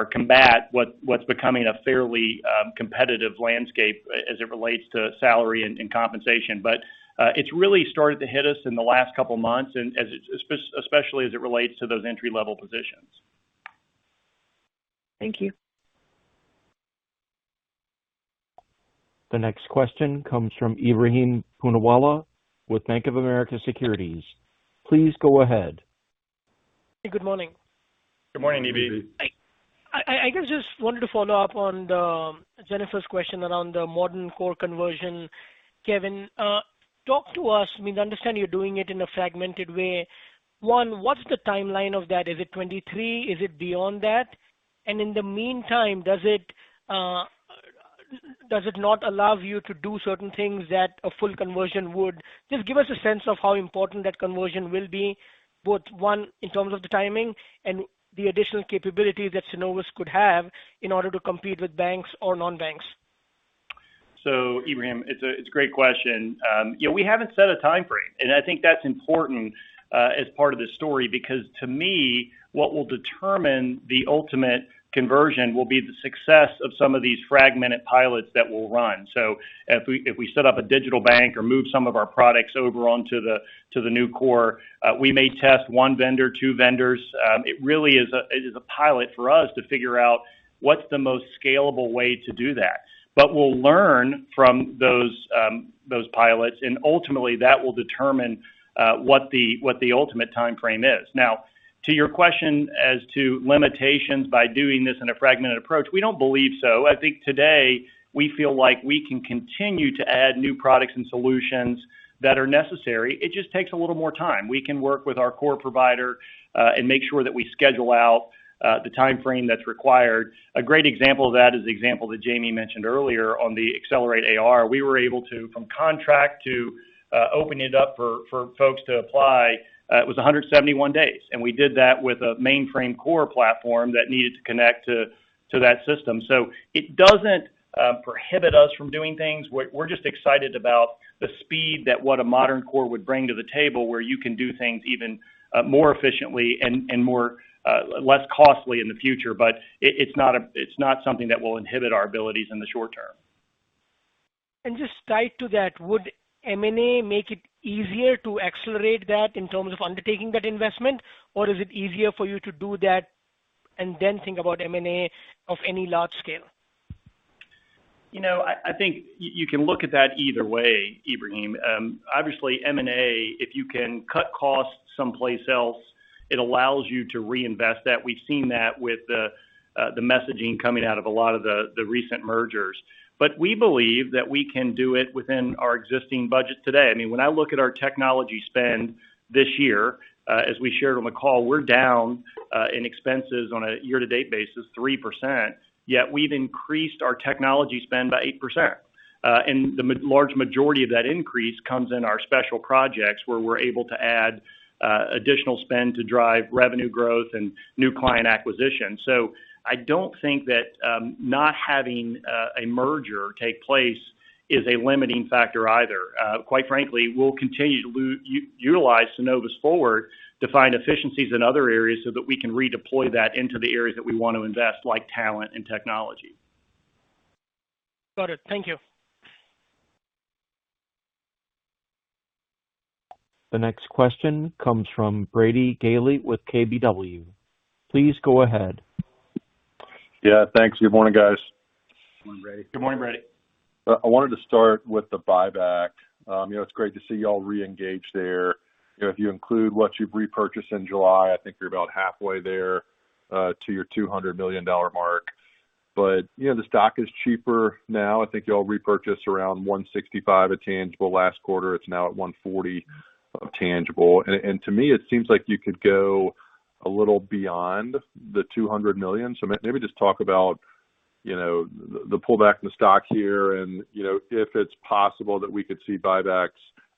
combat what's becoming a fairly competitive landscape as it relates to salary and compensation. It's really started to hit us in the last couple of months, especially as it relates to those entry-level positions. Thank you. The next question comes from Ebrahim Poonawala with Bank of America Securities. Please go ahead. Hey, good morning. Good morning, Ebrahim. I guess just wanted to follow up on Jennifer's question around the modern core conversion. Kevin, talk to us. I mean, understand you're doing it in a fragmented way. One, what's the timeline of that? Is it 2023? Is it beyond that? In the meantime, does it not allow you to do certain things that a full conversion would? Just give us a sense of how important that conversion will be, both one, in terms of the timing and the additional capability that Synovus could have in order to compete with banks or non-banks. Ebrahim, it's a great question. We haven't set a timeframe. I think that's important as part of the story because to me, what will determine the ultimate conversion will be the success of some of these fragmented pilots that we'll run. If we set up a digital bank or move some of our products over onto the new core, we may test one vendor, two vendors. It really is a pilot for us to figure out what's the most scalable way to do that. We'll learn from those pilots, and ultimately that will determine what the ultimate timeframe is. To your question as to limitations by doing this in a fragmented approach, we don't believe so. I think today we feel like we can continue to add new products and solutions that are necessary. It just takes a little more time. We can work with our core provider and make sure that we schedule out the timeframe that's required. A great example of that is the example that Jamie mentioned earlier on the Accelerate AR. We were able to, from contract to opening it up for folks to apply, it was 171 days. We did that with a mainframe core platform that needed to connect to that system. It doesn't prohibit us from doing things. We're just excited about the speed that what a modern core would bring to the table where you can do things even more efficiently and less costly in the future. It's not something that will inhibit our abilities in the short term. Just tied to that, would M&A make it easier to accelerate that in terms of undertaking that investment? Or is it easier for you to do that and then think about M&A of any large scale? I think you can look at that either way, Ebrahim. Obviously M&A, if you can cut costs someplace else, it allows you to reinvest that. We've seen that with the messaging coming out of a lot of the recent mergers. We believe that we can do it within our existing budget today. When I look at our technology spend this year, as we shared on the call, we're down in expenses on a year-to-date basis 3%, yet we've increased our technology spend by 8%. The large majority of that increase comes in our special projects where we're able to add additional spend to drive revenue growth and new client acquisition. I don't think that not having a merger take place is a limiting factor either. Quite frankly, we'll continue to utilize Synovus Forward to find efficiencies in other areas so that we can redeploy that into the areas that we want to invest, like talent and technology. Got it. Thank you. The next question comes from Brady Gailey with KBW. Please go ahead. Yeah. Thanks. Good morning, guys. Good morning, Brady. Good morning, Brady. I wanted to start with the buyback. It's great to see you all re-engage there. If you include what you've repurchased in July, I think you're about halfway there to your $200 million mark. The stock is cheaper now. I think you all repurchased around $165 a tangible last quarter. It's now at $140 tangible. To me, it seems like you could go a little beyond the $200 million. Maybe just talk about the pullback in the stock here and if it's possible that we could see buybacks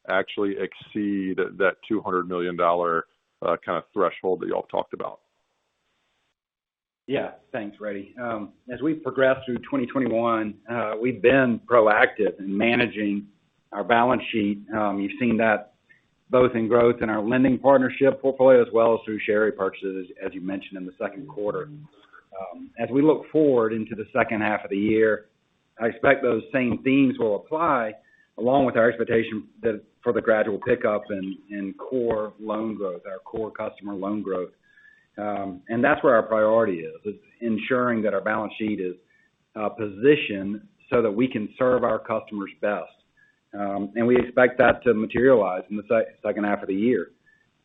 actually exceed that $200 million kind of threshold that you all talked about. Thanks, Brady. As we progress through 2021, we've been proactive in managing our balance sheet. You've seen that both in growth in our lending partnership portfolio as well as through share repurchases, as you mentioned in the second quarter. We look forward into the second half of the year, I expect those same themes will apply along with our expectation for the gradual pickup in core loan growth, our core customer loan growth. That's where our priority is ensuring that our balance sheet is positioned so that we can serve our customers best. We expect that to materialize in the second half of the year.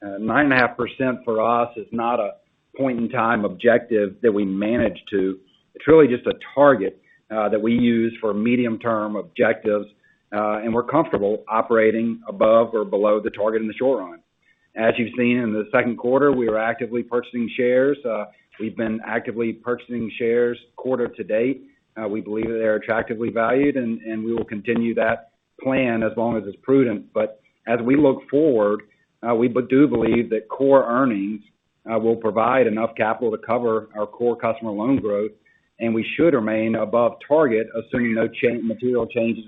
9.5% for us is not a point-in-time objective that we manage to. It's really just a target that we use for medium-term objectives. We're comfortable operating above or below the target in the short run. As you've seen in the second quarter, we were actively purchasing shares. We've been actively purchasing shares quarter to date. We believe that they're attractively valued, and we will continue that plan as long as it's prudent. As we look forward, we do believe that core earnings will provide enough capital to cover our core customer loan growth, and we should remain above target, assuming no material changes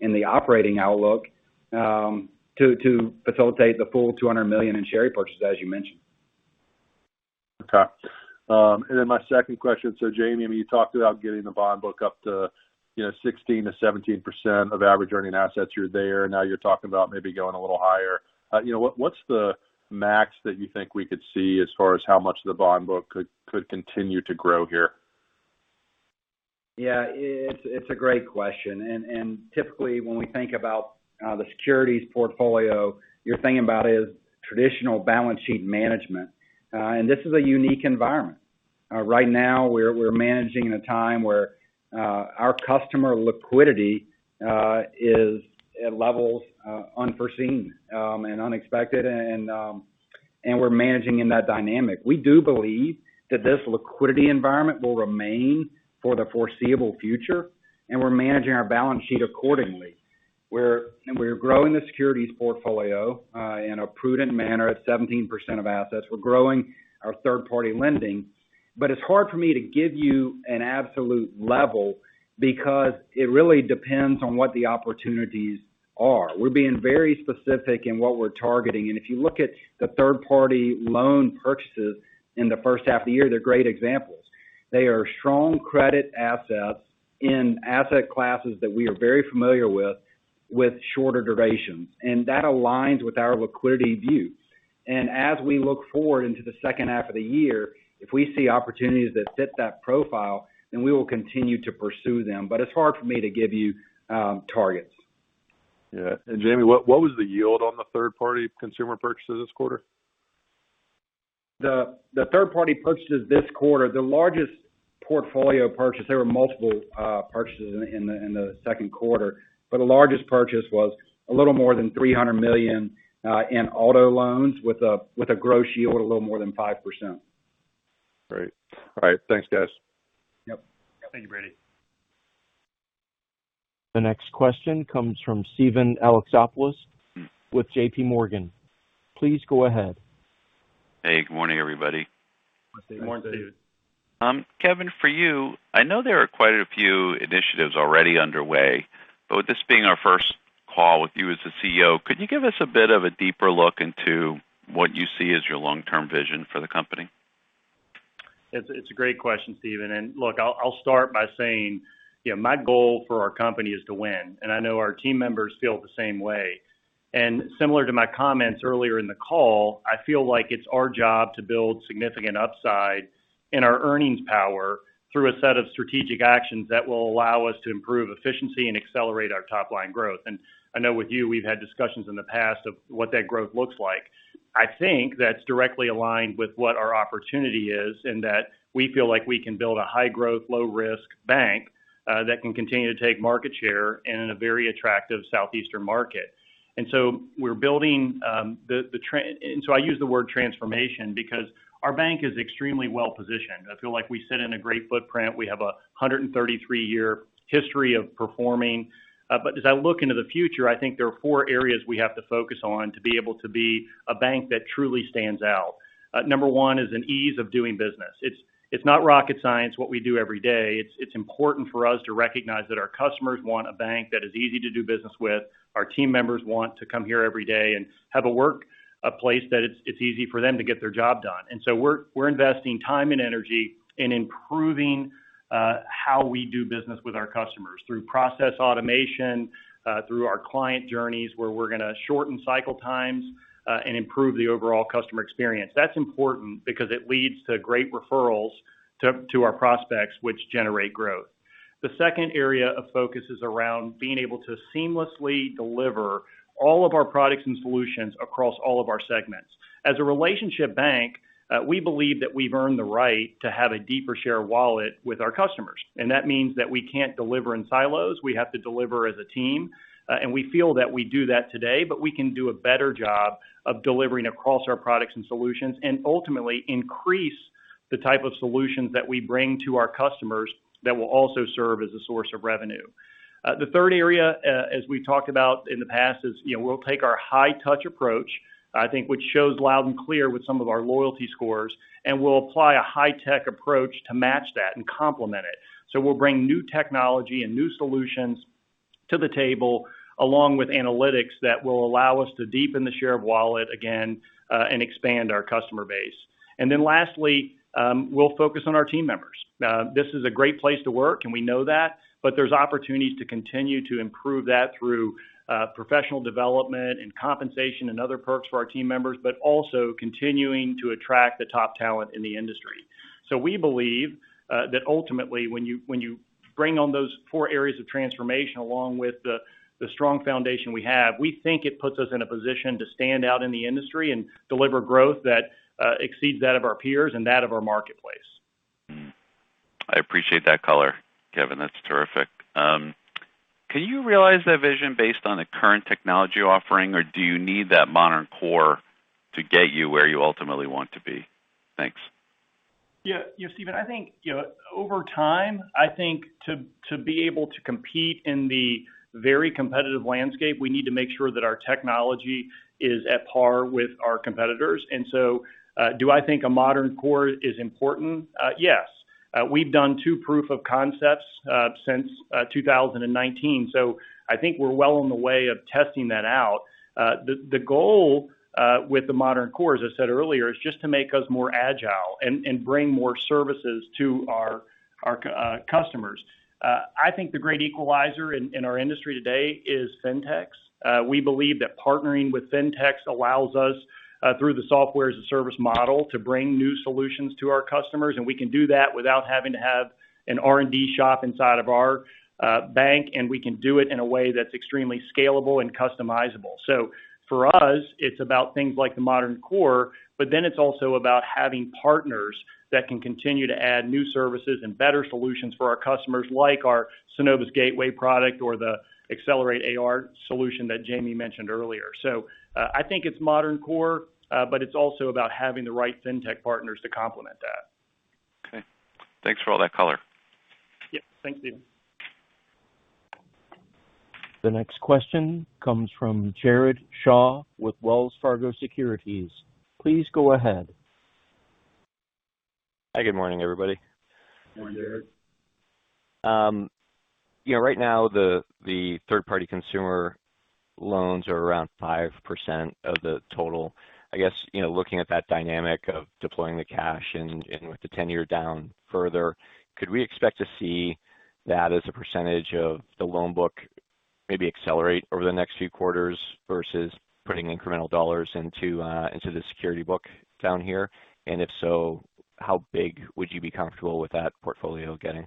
in the operating outlook, to facilitate the full $200 million in share repurchase, as you mentioned. Okay. My second question. Jamie, you talked about getting the bond book up to 16%-17% of average earning assets. You're there, now you're talking about maybe going a little higher. What's the max that you think we could see as far as how much the bond book could continue to grow here? It's a great question. Typically when we think about the securities portfolio, you're thinking about is traditional balance sheet management. This is a unique environment. Right now, we're managing in a time where our customer liquidity is at levels unforeseen and unexpected, and we're managing in that dynamic. We do believe that this liquidity environment will remain for the foreseeable future, and we're managing our balance sheet accordingly. We're growing the securities portfolio in a prudent manner at 17% of assets. We're growing our third-party lending. It's hard for me to give you an absolute level because it really depends on what the opportunities are. We're being very specific in what we're targeting. If you look at the third party loan purchases in the first half of the year, they're great examples. They are strong credit assets in asset classes that we are very familiar with shorter durations. That aligns with our liquidity views. As we look forward into the second half of the year, if we see opportunities that fit that profile, then we will continue to pursue them. It's hard for me to give you targets. Yeah. Jamie, what was the yield on the third party consumer purchases this quarter? The third party purchases this quarter, the largest portfolio purchase, there were multiple purchases in the second quarter. The largest purchase was a little more than $300 million in auto loans with a gross yield a little more than 5%. Great. All right. Thanks, guys. Yep. Thank you, Brady. The next question comes from Steven Alexopoulos with JPMorgan. Please go ahead. Hey, good morning, everybody. Good morning, Steven. Good morning. Kevin, for you, I know there are quite a few initiatives already underway, but with this being our first call with you as the CEO, could you give us a bit of a deeper look into what you see as your long-term vision for the company? It's a great question, Steven. Look, I'll start by saying, my goal for our company is to win, and I know our team members feel the same way. Similar to my comments earlier in the call, I feel like it's our job to build significant upside in our earnings power through a set of strategic actions that will allow us to improve efficiency and accelerate our top-line growth. I know with you, we've had discussions in the past of what that growth looks like. I think that's directly aligned with what our opportunity is, in that we feel like we can build a high-growth, low-risk bank that can continue to take market share in a very attractive southeastern market. I use the word transformation because our bank is extremely well-positioned. I feel like we sit in a great footprint. We have a 133-year history of performing. As I look into the future, I think there are four areas we have to focus on to be able to be a bank that truly stands out. Number one is an ease of doing business. It's not rocket science, what we do every day. It's important for us to recognize that our customers want a bank that is easy to do business with. Our team members want to come here every day and have a workplace that it's easy for them to get their job done. We're investing time and energy in improving how we do business with our customers through process automation, through our client journeys, where we're going to shorten cycle times, and improve the overall customer experience. That's important because it leads to great referrals to our prospects, which generate growth. The second area of focus is around being able to seamlessly deliver all of our products and solutions across all of our segments. As a relationship bank, we believe that we've earned the right to have a deeper share of wallet with our customers. That means that we can't deliver in silos. We have to deliver as a team. We feel that we do that today, but we can do a better job of delivering across our products and solutions, and ultimately increase the type of solutions that we bring to our customers that will also serve as a source of revenue. The third area, as we've talked about in the past, is we'll take our high touch approach, I think which shows loud and clear with some of our loyalty scores, and we'll apply a high tech approach to match that and complement it. We'll bring new technology and new solutions to the table, along with analytics that will allow us to deepen the share of wallet again, and expand our customer base. Lastly, we'll focus on our team members. This is a great place to work, and we know that, but there's opportunities to continue to improve that through professional development and compensation and other perks for our team members, but also continuing to attract the top talent in the industry. We believe that ultimately, when you bring on those four areas of transformation, along with the strong foundation we have, we think it puts us in a position to stand out in the industry and deliver growth that exceeds that of our peers and that of our marketplace. I appreciate that color, Kevin. That's terrific. Can you realize that vision based on the current technology offering or do you need that modern core to get you where you ultimately want to be? Thanks. Steven, I think over time, I think to be able to compete in the very competitive landscape, we need to make sure that our technology is at par with our competitors. Do I think a modern core is important? Yes. We've done two proof of concepts since 2019, so I think we're well on the way of testing that out. The goal with the modern core, as I said earlier, is just to make us more agile and bring more services to our customers. I think the great equalizer in our industry today is Fintechs. We believe that partnering with Fintechs allows us, through the software as a service model, to bring new solutions to our customers, and we can do that without having to have an R&D shop inside of our bank, and we can do it in a way that's extremely scalable and customizable. For us, it's about things like the modern core, but then it's also about having partners that can continue to add new services and better solutions for our customers, like our Synovus Gateway product or the Accelerate AR solution that Jamie mentioned earlier. I think it's modern core, but it's also about having the right Fintech partners to complement that. Okay. Thanks for all that color. Yeah. Thanks, Steven. The next question comes from Jared Shaw with Wells Fargo Securities. Please go ahead. Hi, good morning, everybody. Morning, Jared. Right now, the third-party consumer loans are around 5% of the total. I guess, looking at that dynamic of deploying the cash and with the 10-year down further, could we expect to see that as a percentage of the loan book maybe accelerate over the next few quarters versus putting incremental dollars into the security book down here? If so, how big would you be comfortable with that portfolio getting?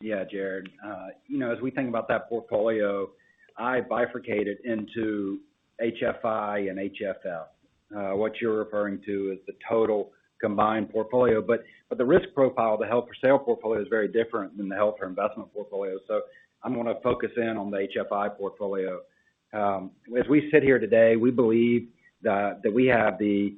Yeah, Jared. As we think about that portfolio, I bifurcate it into HFI and HFS. What you're referring to is the total combined portfolio, but the risk profile of the held for sale portfolio is very different than the held for investment portfolio. I'm going to focus in on the HFI portfolio. As we sit here today, we believe that we have the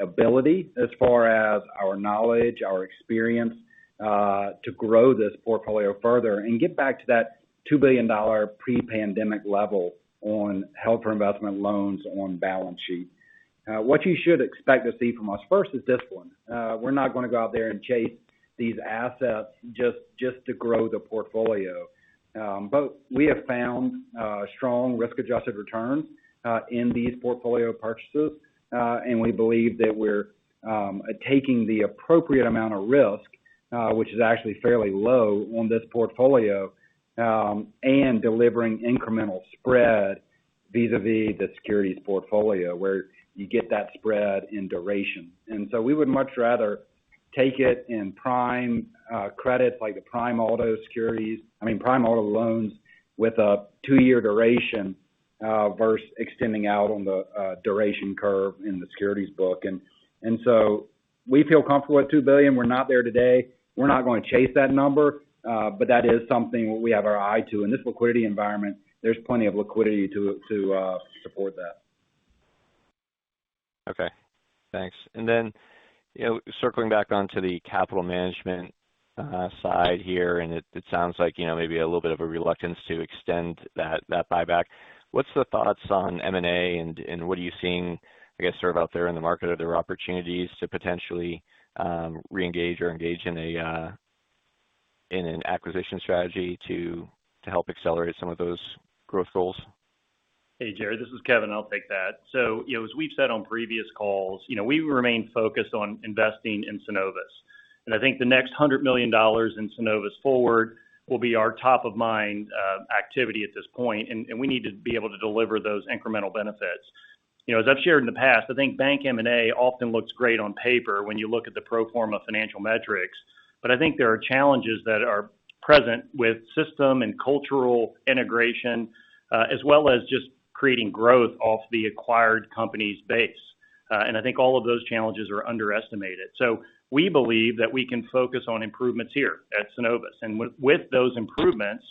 ability, as far as our knowledge, our experience, to grow this portfolio further and get back to that $2 billion pre-pandemic level on held for investment loans on balance sheet. What you should expect to see from us first is discipline. We're not going to go out there and chase these assets just to grow the portfolio. We have found strong risk-adjusted returns in these portfolio purchases, and we believe that we're taking the appropriate amount of risk, which is actually fairly low on this portfolio, and delivering incremental spread vis-a-vis the securities portfolio where you get that spread in duration. We would much rather take it in prime credits like the prime auto loans with a two-year duration versus extending out on the duration curve in the securities book. We feel comfortable at $2 billion. We're not there today. We're not going to chase that number. That is something we have our eye to. In this liquidity environment, there's plenty of liquidity to support that. Okay, thanks. Circling back onto the capital management side here, and it sounds like maybe a little bit of a reluctance to extend that buyback. What's the thoughts on M&A and what are you seeing, I guess, sort of out there in the market? Are there opportunities to potentially re-engage or engage in an acquisition strategy to help accelerate some of those growth goals? Hey, Jared, this is Kevin. I'll take that. As we've said on previous calls, we remain focused on investing in Synovus, and I think the next $100 million in Synovus Forward will be our top of mind activity at this point, and we need to be able to deliver those incremental benefits. As I've shared in the past, I think bank M&A often looks great on paper when you look at the pro forma financial metrics. I think there are challenges that are present with system and cultural integration, as well as just creating growth off the acquired company's base. I think all of those challenges are underestimated. We believe that we can focus on improvements here at Synovus, and with those improvements,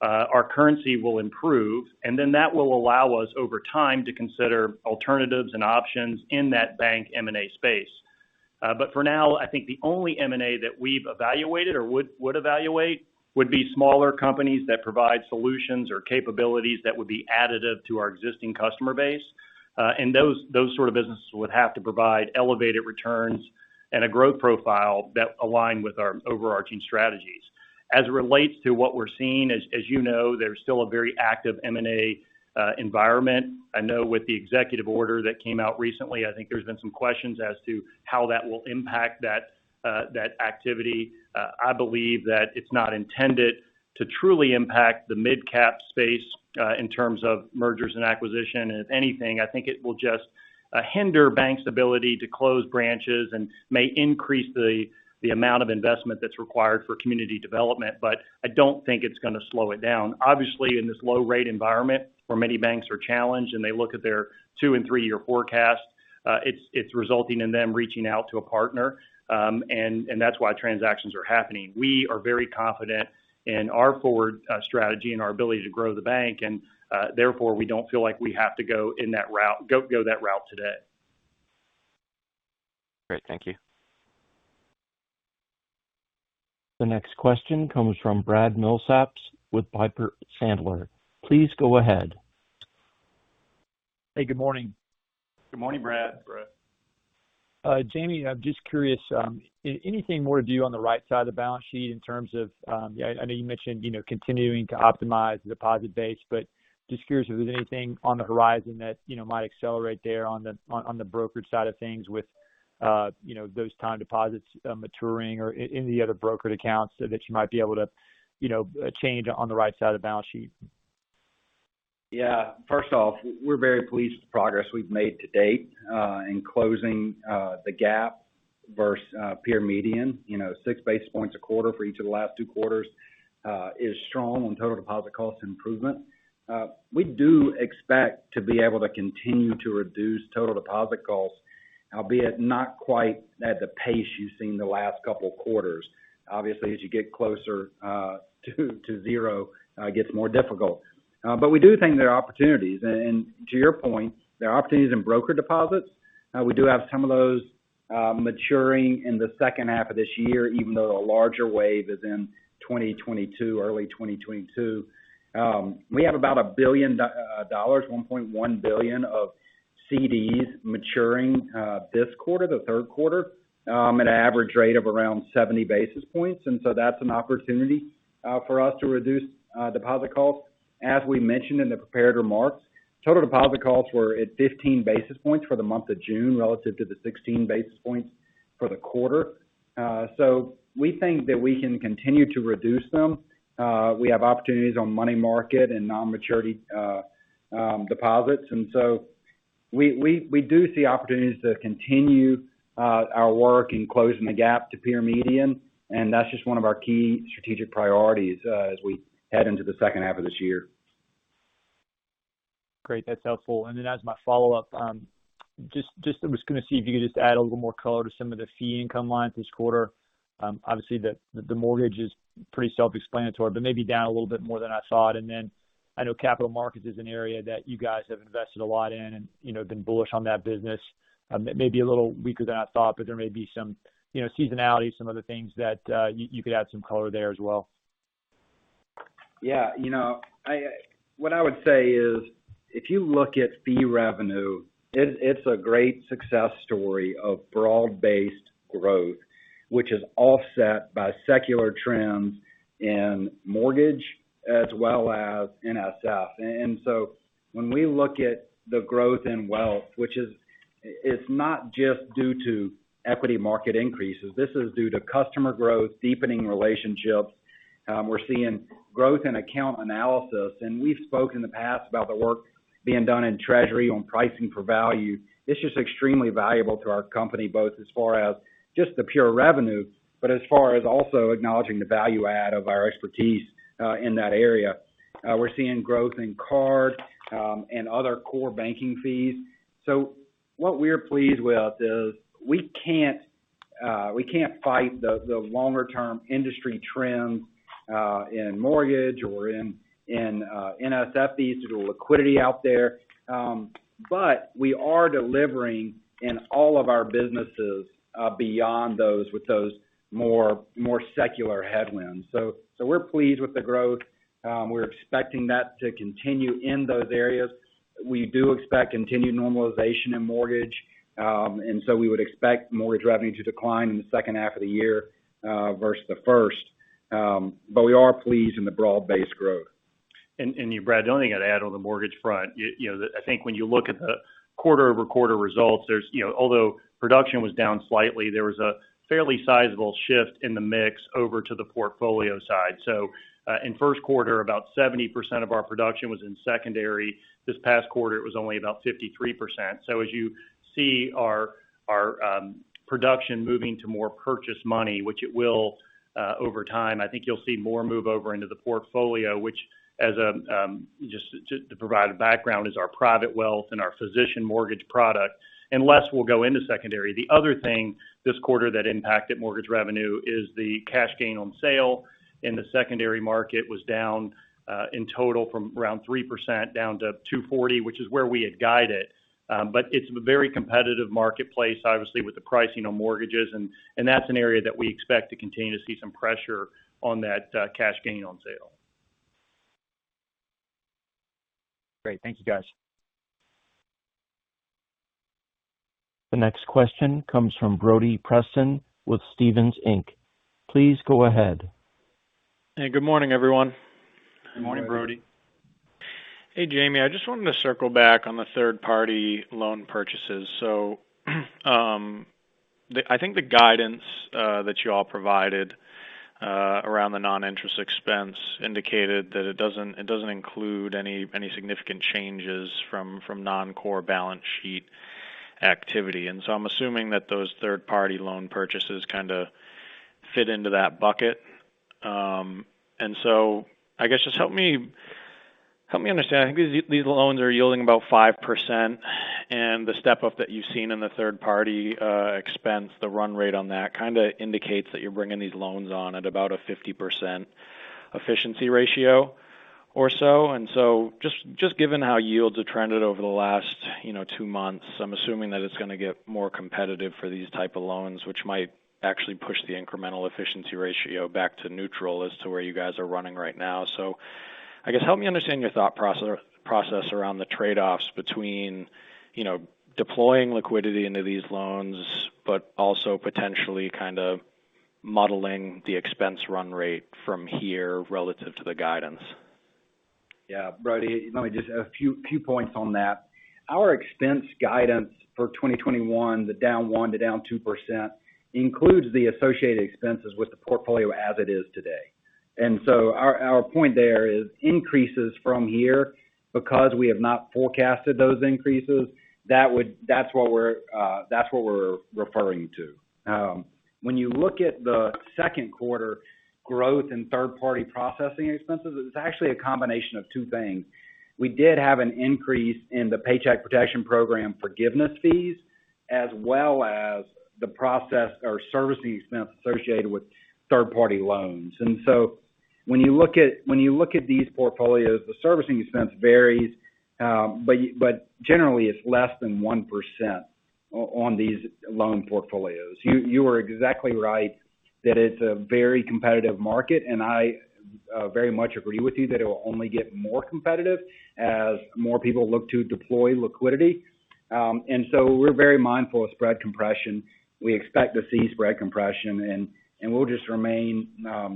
our currency will improve, and then that will allow us over time to consider alternatives and options in that bank M&A space. For now, I think the only M&A that we've evaluated or would evaluate would be smaller companies that provide solutions or capabilities that would be additive to our existing customer base. Those sort of businesses would have to provide elevated returns and a growth profile that align with our overarching strategies. As it relates to what we're seeing, as you know, there's still a very active M&A environment. I know with the executive order that came out recently, I think there's been some questions as to how that will impact that activity. I believe that it's not intended to truly impact the mid-cap space in terms of mergers and acquisition. If anything, I think it will just hinder banks' ability to close branches and may increase the amount of investment that's required for community development. I don't think it's going to slow it down. Obviously, in this low rate environment where many banks are challenged and they look at their two and three-year forecast. It's resulting in them reaching out to a partner. That's why transactions are happening. We are very confident in our forward strategy and our ability to grow the bank, and therefore, we don't feel like we have to go that route today. Great. Thank you. The next question comes from Brad Milsaps with Piper Sandler. Please go ahead. Hey, good morning. Good morning, Brad. Jamie, I'm just curious, anything more to do on the right side of the balance sheet in terms of-- I know you mentioned continuing to optimize the deposit base, but just curious if there's anything on the horizon that might accelerate there on the brokerage side of things with those time deposits maturing or any other brokered accounts so that you might be able to change on the right side of the balance sheet? First off, we're very pleased with the progress we've made to date in closing the gap versus peer median. 6 basis points a quarter for each of the last two quarters is strong on total deposit cost improvement. We do expect to be able to continue to reduce total deposit costs, albeit not quite at the pace you've seen the last couple of quarters. Obviously, as you get closer to zero, it gets more difficult. We do think there are opportunities. To your point, there are opportunities in broker deposits. We do have some of those maturing in the second half of this year, even though the larger wave is in 2022, early 2022. We have about $1 billion, $1.1 billion of CDs maturing this quarter, the third quarter, at an average rate of around 70 basis points. That's an opportunity for us to reduce deposit costs. As we mentioned in the prepared remarks, total deposit costs were at 15 basis points for the month of June relative to the 16 basis points for the quarter. We think that we can continue to reduce them. We have opportunities on money market and non-maturity deposits. We do see opportunities to continue our work in closing the gap to peer median, and that's just one of our key strategic priorities as we head into the second half of this year. Great. That's helpful. As my follow-up, just was going to see if you could just add a little more color to some of the fee income lines this quarter. Obviously, the mortgage is pretty self-explanatory, but maybe down a little bit more than I saw it. I know capital markets is an area that you guys have invested a lot in and been bullish on that business. Maybe a little weaker than I thought, but there may be some seasonality, some other things that you could add some color there as well. What I would say is if you look at fee revenue, it's a great success story of broad-based growth, which is offset by secular trends in mortgage as well as NSF. When we look at the growth in wealth, which is not just due to equity market increases. This is due to customer growth, deepening relationships. We're seeing growth in account analysis, and we've spoken in the past about the work being done in treasury on pricing for value. It's just extremely valuable to our company, both as far as just the pure revenue, but as far as also acknowledging the value add of our expertise in that area. We're seeing growth in card and other core banking fees. What we're pleased with is we can't fight the longer-term industry trends in mortgage or in NSF fees due to liquidity out there. We are delivering in all of our businesses beyond those with those more secular headwinds. We're pleased with the growth. We're expecting that to continue in those areas. We do expect continued normalization in mortgage, we would expect mortgage revenue to decline in the second half of the year versus the first. We are pleased in the broad-based growth. You, Brad, the only thing I'd add on the mortgage front, I think when you look at the quarter-over-quarter results, although production was down slightly, there was a fairly sizable shift in the mix over to the portfolio side. In first quarter, about 70% of our production was in secondary. This past quarter, it was only about 53%. As you see our production moving to more purchase money, which it will over time, I think you'll see more move over into the portfolio, which as just to provide a background, is our private wealth and our physician mortgage product, and less will go into secondary. The other thing this quarter that impacted mortgage revenue is the cash gain on sale in the secondary market was down in total from around 3% down to 240, which is where we had guided. It's a very competitive marketplace, obviously, with the pricing on mortgages, and that's an area that we expect to continue to see some pressure on that cash gain on sale. Great. Thank you, guys. The next question comes from Brody Preston with Stephens Inc. Please go ahead. Hey, good morning, everyone. Good morning. Morning, Brody. Hey, Jamie, I just wanted to circle back on the third-party loan purchases. I think the guidance that you all provided around the non-interest expense indicated that it doesn't include any significant changes from non-core balance sheet activity. I'm assuming that those third-party loan purchases kind of fit into that bucket. I guess just help me understand. I think these loans are yielding about 5%, and the step-up that you've seen in the third-party expense, the run rate on that kind of indicates that you're bringing these loans on at about a 50% efficiency ratio or so. Just given how yields have trended over the last two months, I'm assuming that it's going to get more competitive for these type of loans, which might actually push the incremental efficiency ratio back to neutral as to where you guys are running right now. I guess help me understand your thought process around the trade-offs between deploying liquidity into these loans, but also potentially kind of modeling the expense run rate from here relative to the guidance. Yeah. Brody, let me just a few points on that. Our expense guidance for 2021, the down 1%-down 2%, includes the associated expenses with the portfolio as it is today. Our point there is increases from here because we have not forecasted those increases. That's what we're referring to. When you look at the second quarter growth in third-party processing expenses, it's actually a combination of two things. We did have an increase in the Paycheck Protection Program forgiveness fees, as well as the process or servicing expense associated with third-party loans. When you look at these portfolios, the servicing expense varies, but generally it's less than 1% on these loan portfolios. You are exactly right that it's a very competitive market, and I very much agree with you that it'll only get more competitive as more people look to deploy liquidity. We're very mindful of spread compression. We expect to see spread compression, and we'll just remain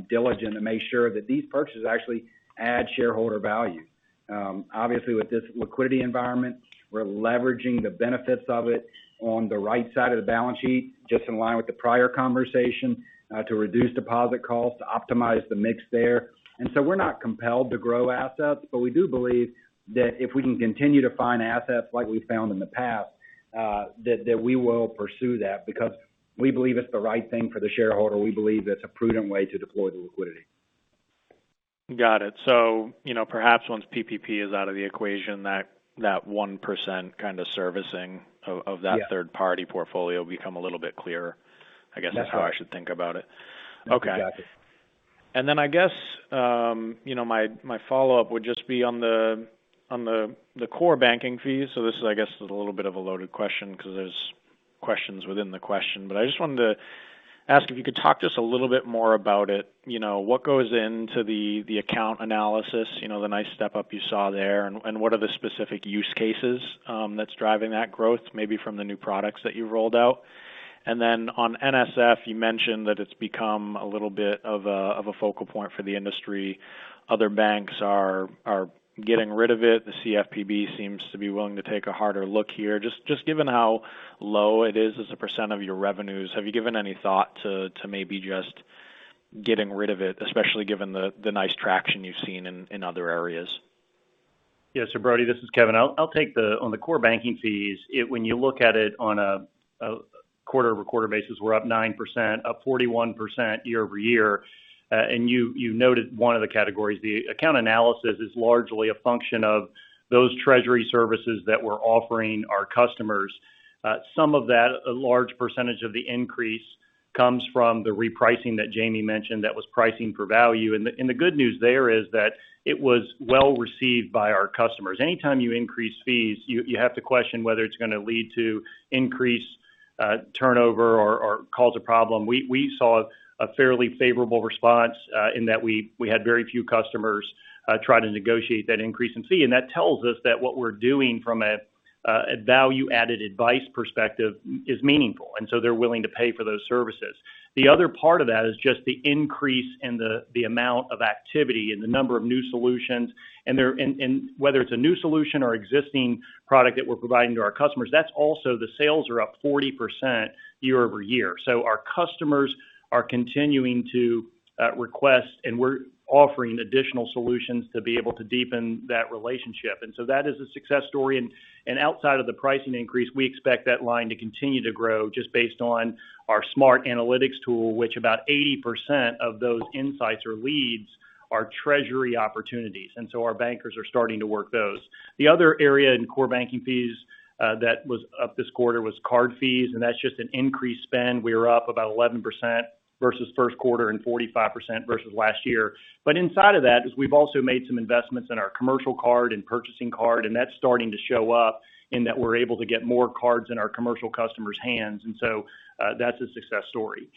diligent to make sure that these purchases actually add shareholder value. Obviously, with this liquidity environment, we're leveraging the benefits of it on the right side of the balance sheet, just in line with the prior conversation, to reduce deposit costs, to optimize the mix there. We're not compelled to grow assets, but we do believe that if we can continue to find assets like we found in the past, that we will pursue that because we believe it's the right thing for the shareholder. We believe it's a prudent way to deploy the liquidity. Got it. So, you know, perhaps once PPP is out of the equation, that 1% kind of servicing of that third-party portfolio become a little bit clearer. That's right. that's how I should think about it. Okay. Exactly. I guess, my follow-up would just be on the core banking fees. This, I guess, is a little bit of a loaded question because there's questions within the question. I just wanted to ask if you could talk to us a little bit more about it. What goes into the account analysis? The nice step-up you saw there, and what are the specific use cases that's driving that growth, maybe from the new products that you've rolled out. On NSF, you mentioned that it's become a little bit of a focal point for the industry. Other banks are getting rid of it. The CFPB seems to be willing to take a harder look here. Just given how low it is as a percent of your revenues, have you given any thought to maybe just getting rid of it? Especially given the nice traction you've seen in other areas. Brody, this is Kevin. I'll take on the core banking fees, when you look at it on a quarter-over-quarter basis, we're up 9%, up 41% year-over-year. You noted one of the categories. The account analysis is largely a function of those treasury services that we're offering our customers. Some of that, a large percentage of the increase comes from the repricing that Jamie mentioned that was pricing for value. The good news there is that it was well-received by our customers. Anytime you increase fees, you have to question whether it's going to lead to increased turnover or cause a problem. We saw a fairly favorable response, in that we had very few customers try to negotiate that increase in fee. That tells us that what we're doing from a value-added advice perspective is meaningful, and so they're willing to pay for those services. The other part of that is just the increase in the amount of activity and the number of new solutions. Whether it's a new solution or existing product that we're providing to our customers, that's also the sales are up 40% year-over-year. Our customers are continuing to request, and we're offering additional solutions to be able to deepen that relationship. That is a success story. Outside of the pricing increase, we expect that line to continue to grow just based on our SMART analytics tool, which about 80% of those insights or leads are treasury opportunities. Our bankers are starting to work those. The other area in core banking fees that was up this quarter was card fees, and that's just an increased spend. We are up about 11% versus first quarter and 45% versus last year. Inside of that is we've also made some investments in our commercial card and purchasing card, and that's starting to show up in that we're able to get more cards in our commercial customers' hands. That's a success story.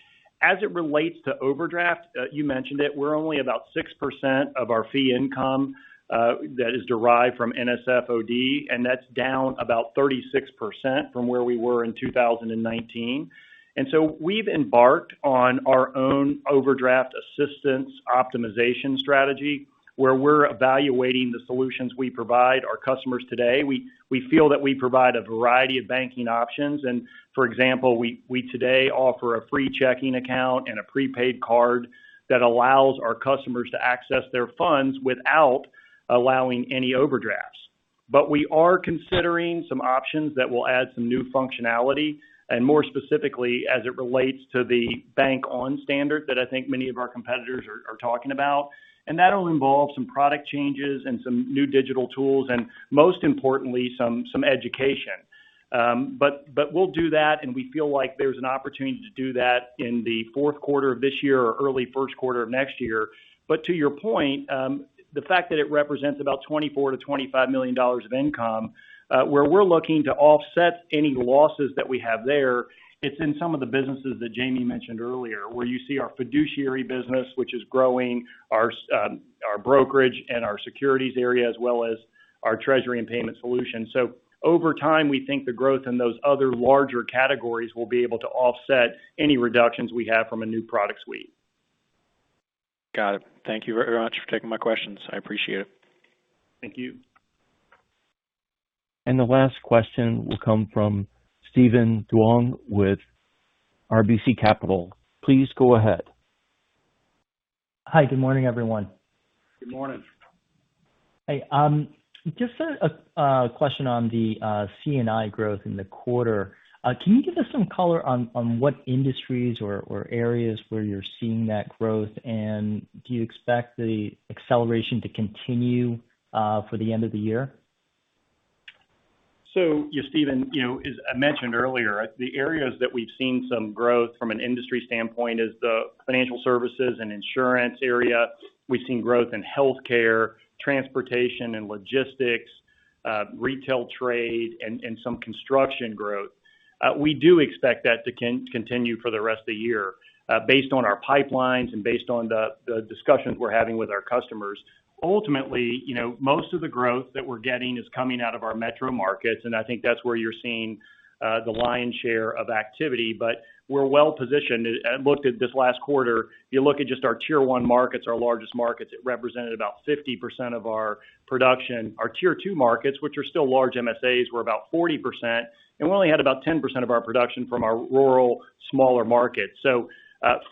As it relates to overdraft, you mentioned it, we're only about 6% of our fee income that is derived from NSF OD, and that's down about 36% from where we were in 2019. We've embarked on our own overdraft assistance optimization strategy, where we're evaluating the solutions we provide our customers today. We feel that we provide a variety of banking options and for example, we today offer a free checking account and a prepaid card that allows our customers to access their funds without allowing any overdrafts. We are considering some options that will add some new functionality, and more specifically as it relates to the Bank On standard that I think many of our competitors are talking about. That'll involve some product changes and some new digital tools, and most importantly, some education. We'll do that, and we feel like there's an opportunity to do that in the fourth quarter of this year or early first quarter of next year. To your point, the fact that it represents about $24 million-$25 million of income, where we're looking to offset any losses that we have there, it's in some of the businesses that Jamie mentioned earlier, where you see our fiduciary business, which is growing, our brokerage and our securities area, as well as our treasury and payment solution. Over time, we think the growth in those other larger categories will be able to offset any reductions we have from a new product suite. Got it. Thank you very much for taking my questions. I appreciate it. Thank you. The last question will come from Steven Duong with RBC Capital. Please go ahead. Hi, good morning, everyone. Good morning. Hey, just a question on the C&I growth in the quarter. Can you give us some color on what industries or areas where you're seeing that growth? Do you expect the acceleration to continue for the end of the year? Steven, as I mentioned earlier, the areas that we've seen some growth from an industry standpoint is the financial services and insurance area. We've seen growth in healthcare, transportation and logistics, retail trade, and some construction growth. We do expect that to continue for the rest of the year based on our pipelines and based on the discussions we're having with our customers. Ultimately, most of the growth that we're getting is coming out of our metro markets, and I think that's where you're seeing the lion's share of activity. But we're well positioned. I looked at this last quarter. You look at just our tier one markets, our largest markets, it represented about 50% of our production. Our tier two markets, which are still large MSAs, were about 40%, and we only had about 10% of our production from our rural, smaller markets.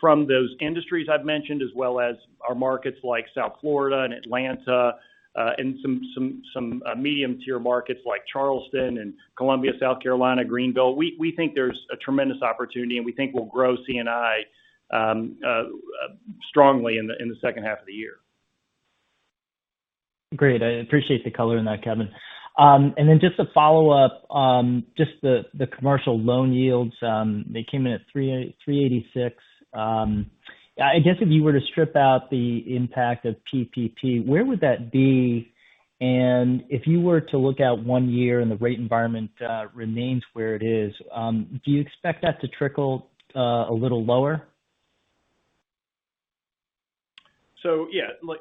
From those industries I've mentioned, as well as our markets like South Florida and Atlanta, and some medium-tier markets like Charleston and Columbia, South Carolina, Greenville, we think there's a tremendous opportunity, and we think we'll grow C&I strongly in the second half of the year. Great. I appreciate the color in that, Kevin. Just to follow up on just the commercial loan yields. They came in at 3.86%. I guess if you were to strip out the impact of PPP, where would that be? If you were to look out one year and the rate environment remains where it is, do you expect that to trickle a little lower? Yeah.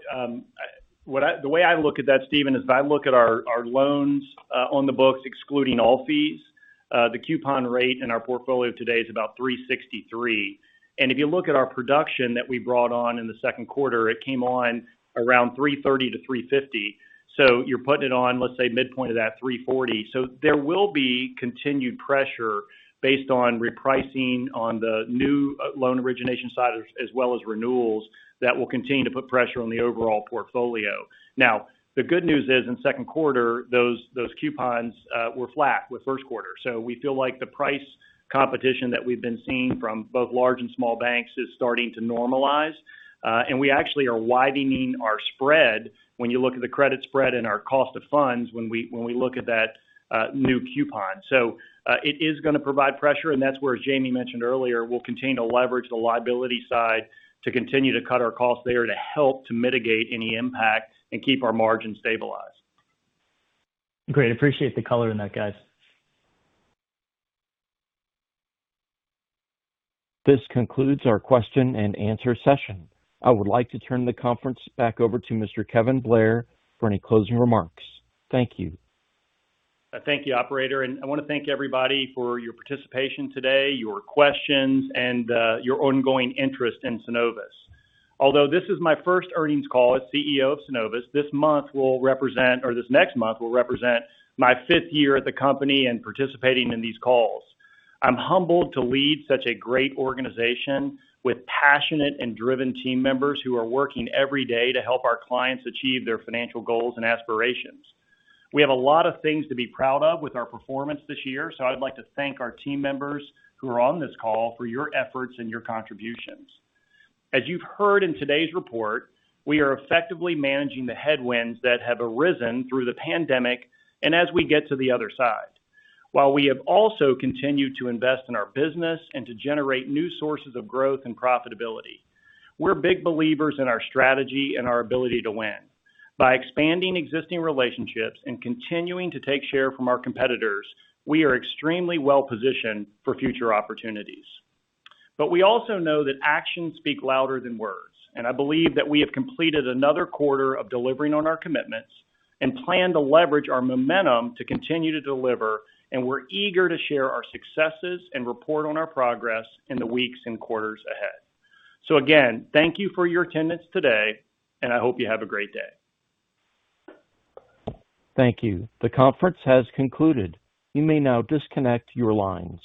The way I look at that, Steven, is if I look at our loans on the books, excluding all fees, the coupon rate in our portfolio today is about 363%. If you look at our production that we brought on in the second quarter, it came on around 330%-350%. You're putting it on, let's say, midpoint of that 340%. There will be continued pressure based on repricing on the new loan origination side as well as renewals that will continue to put pressure on the overall portfolio. Now, the good news is in second quarter, those coupons were flat with first quarter. We feel like the price competition that we've been seeing from both large and small banks is starting to normalize. We actually are widening our spread when you look at the credit spread and our cost of funds when we look at that new coupon. It is going to provide pressure, and that's where Jamie mentioned earlier, we'll continue to leverage the liability side to continue to cut our costs there to help to mitigate any impact and keep our margin stabilized. Great. Appreciate the color in that, guys. This concludes our question and answer session. I would like to turn the conference back over to Mr. Kevin Blair for any closing remarks. Thank you. Thank you, operator, and I want to thank everybody for your participation today, your questions, and your ongoing interest in Synovus. Although this is my first earnings call as CEO of Synovus, this next month will represent my fifth year at the company and participating in these calls. I'm humbled to lead such a great organization with passionate and driven team members who are working every day to help our clients achieve their financial goals and aspirations. We have a lot of things to be proud of with our performance this year, so I would like to thank our team members who are on this call for your efforts and your contributions. As you've heard in today's report, we are effectively managing the headwinds that have arisen through the pandemic and as we get to the other side. While we have also continued to invest in our business and to generate new sources of growth and profitability. We're big believers in our strategy and our ability to win. By expanding existing relationships and continuing to take share from our competitors, we are extremely well positioned for future opportunities. We also know that actions speak louder than words, and I believe that we have completed another quarter of delivering on our commitments and plan to leverage our momentum to continue to deliver, and we're eager to share our successes and report on our progress in the weeks and quarters ahead. Again, thank you for your attendance today, and I hope you have a great day. Thank you. The conference has concluded. You may now disconnect your lines.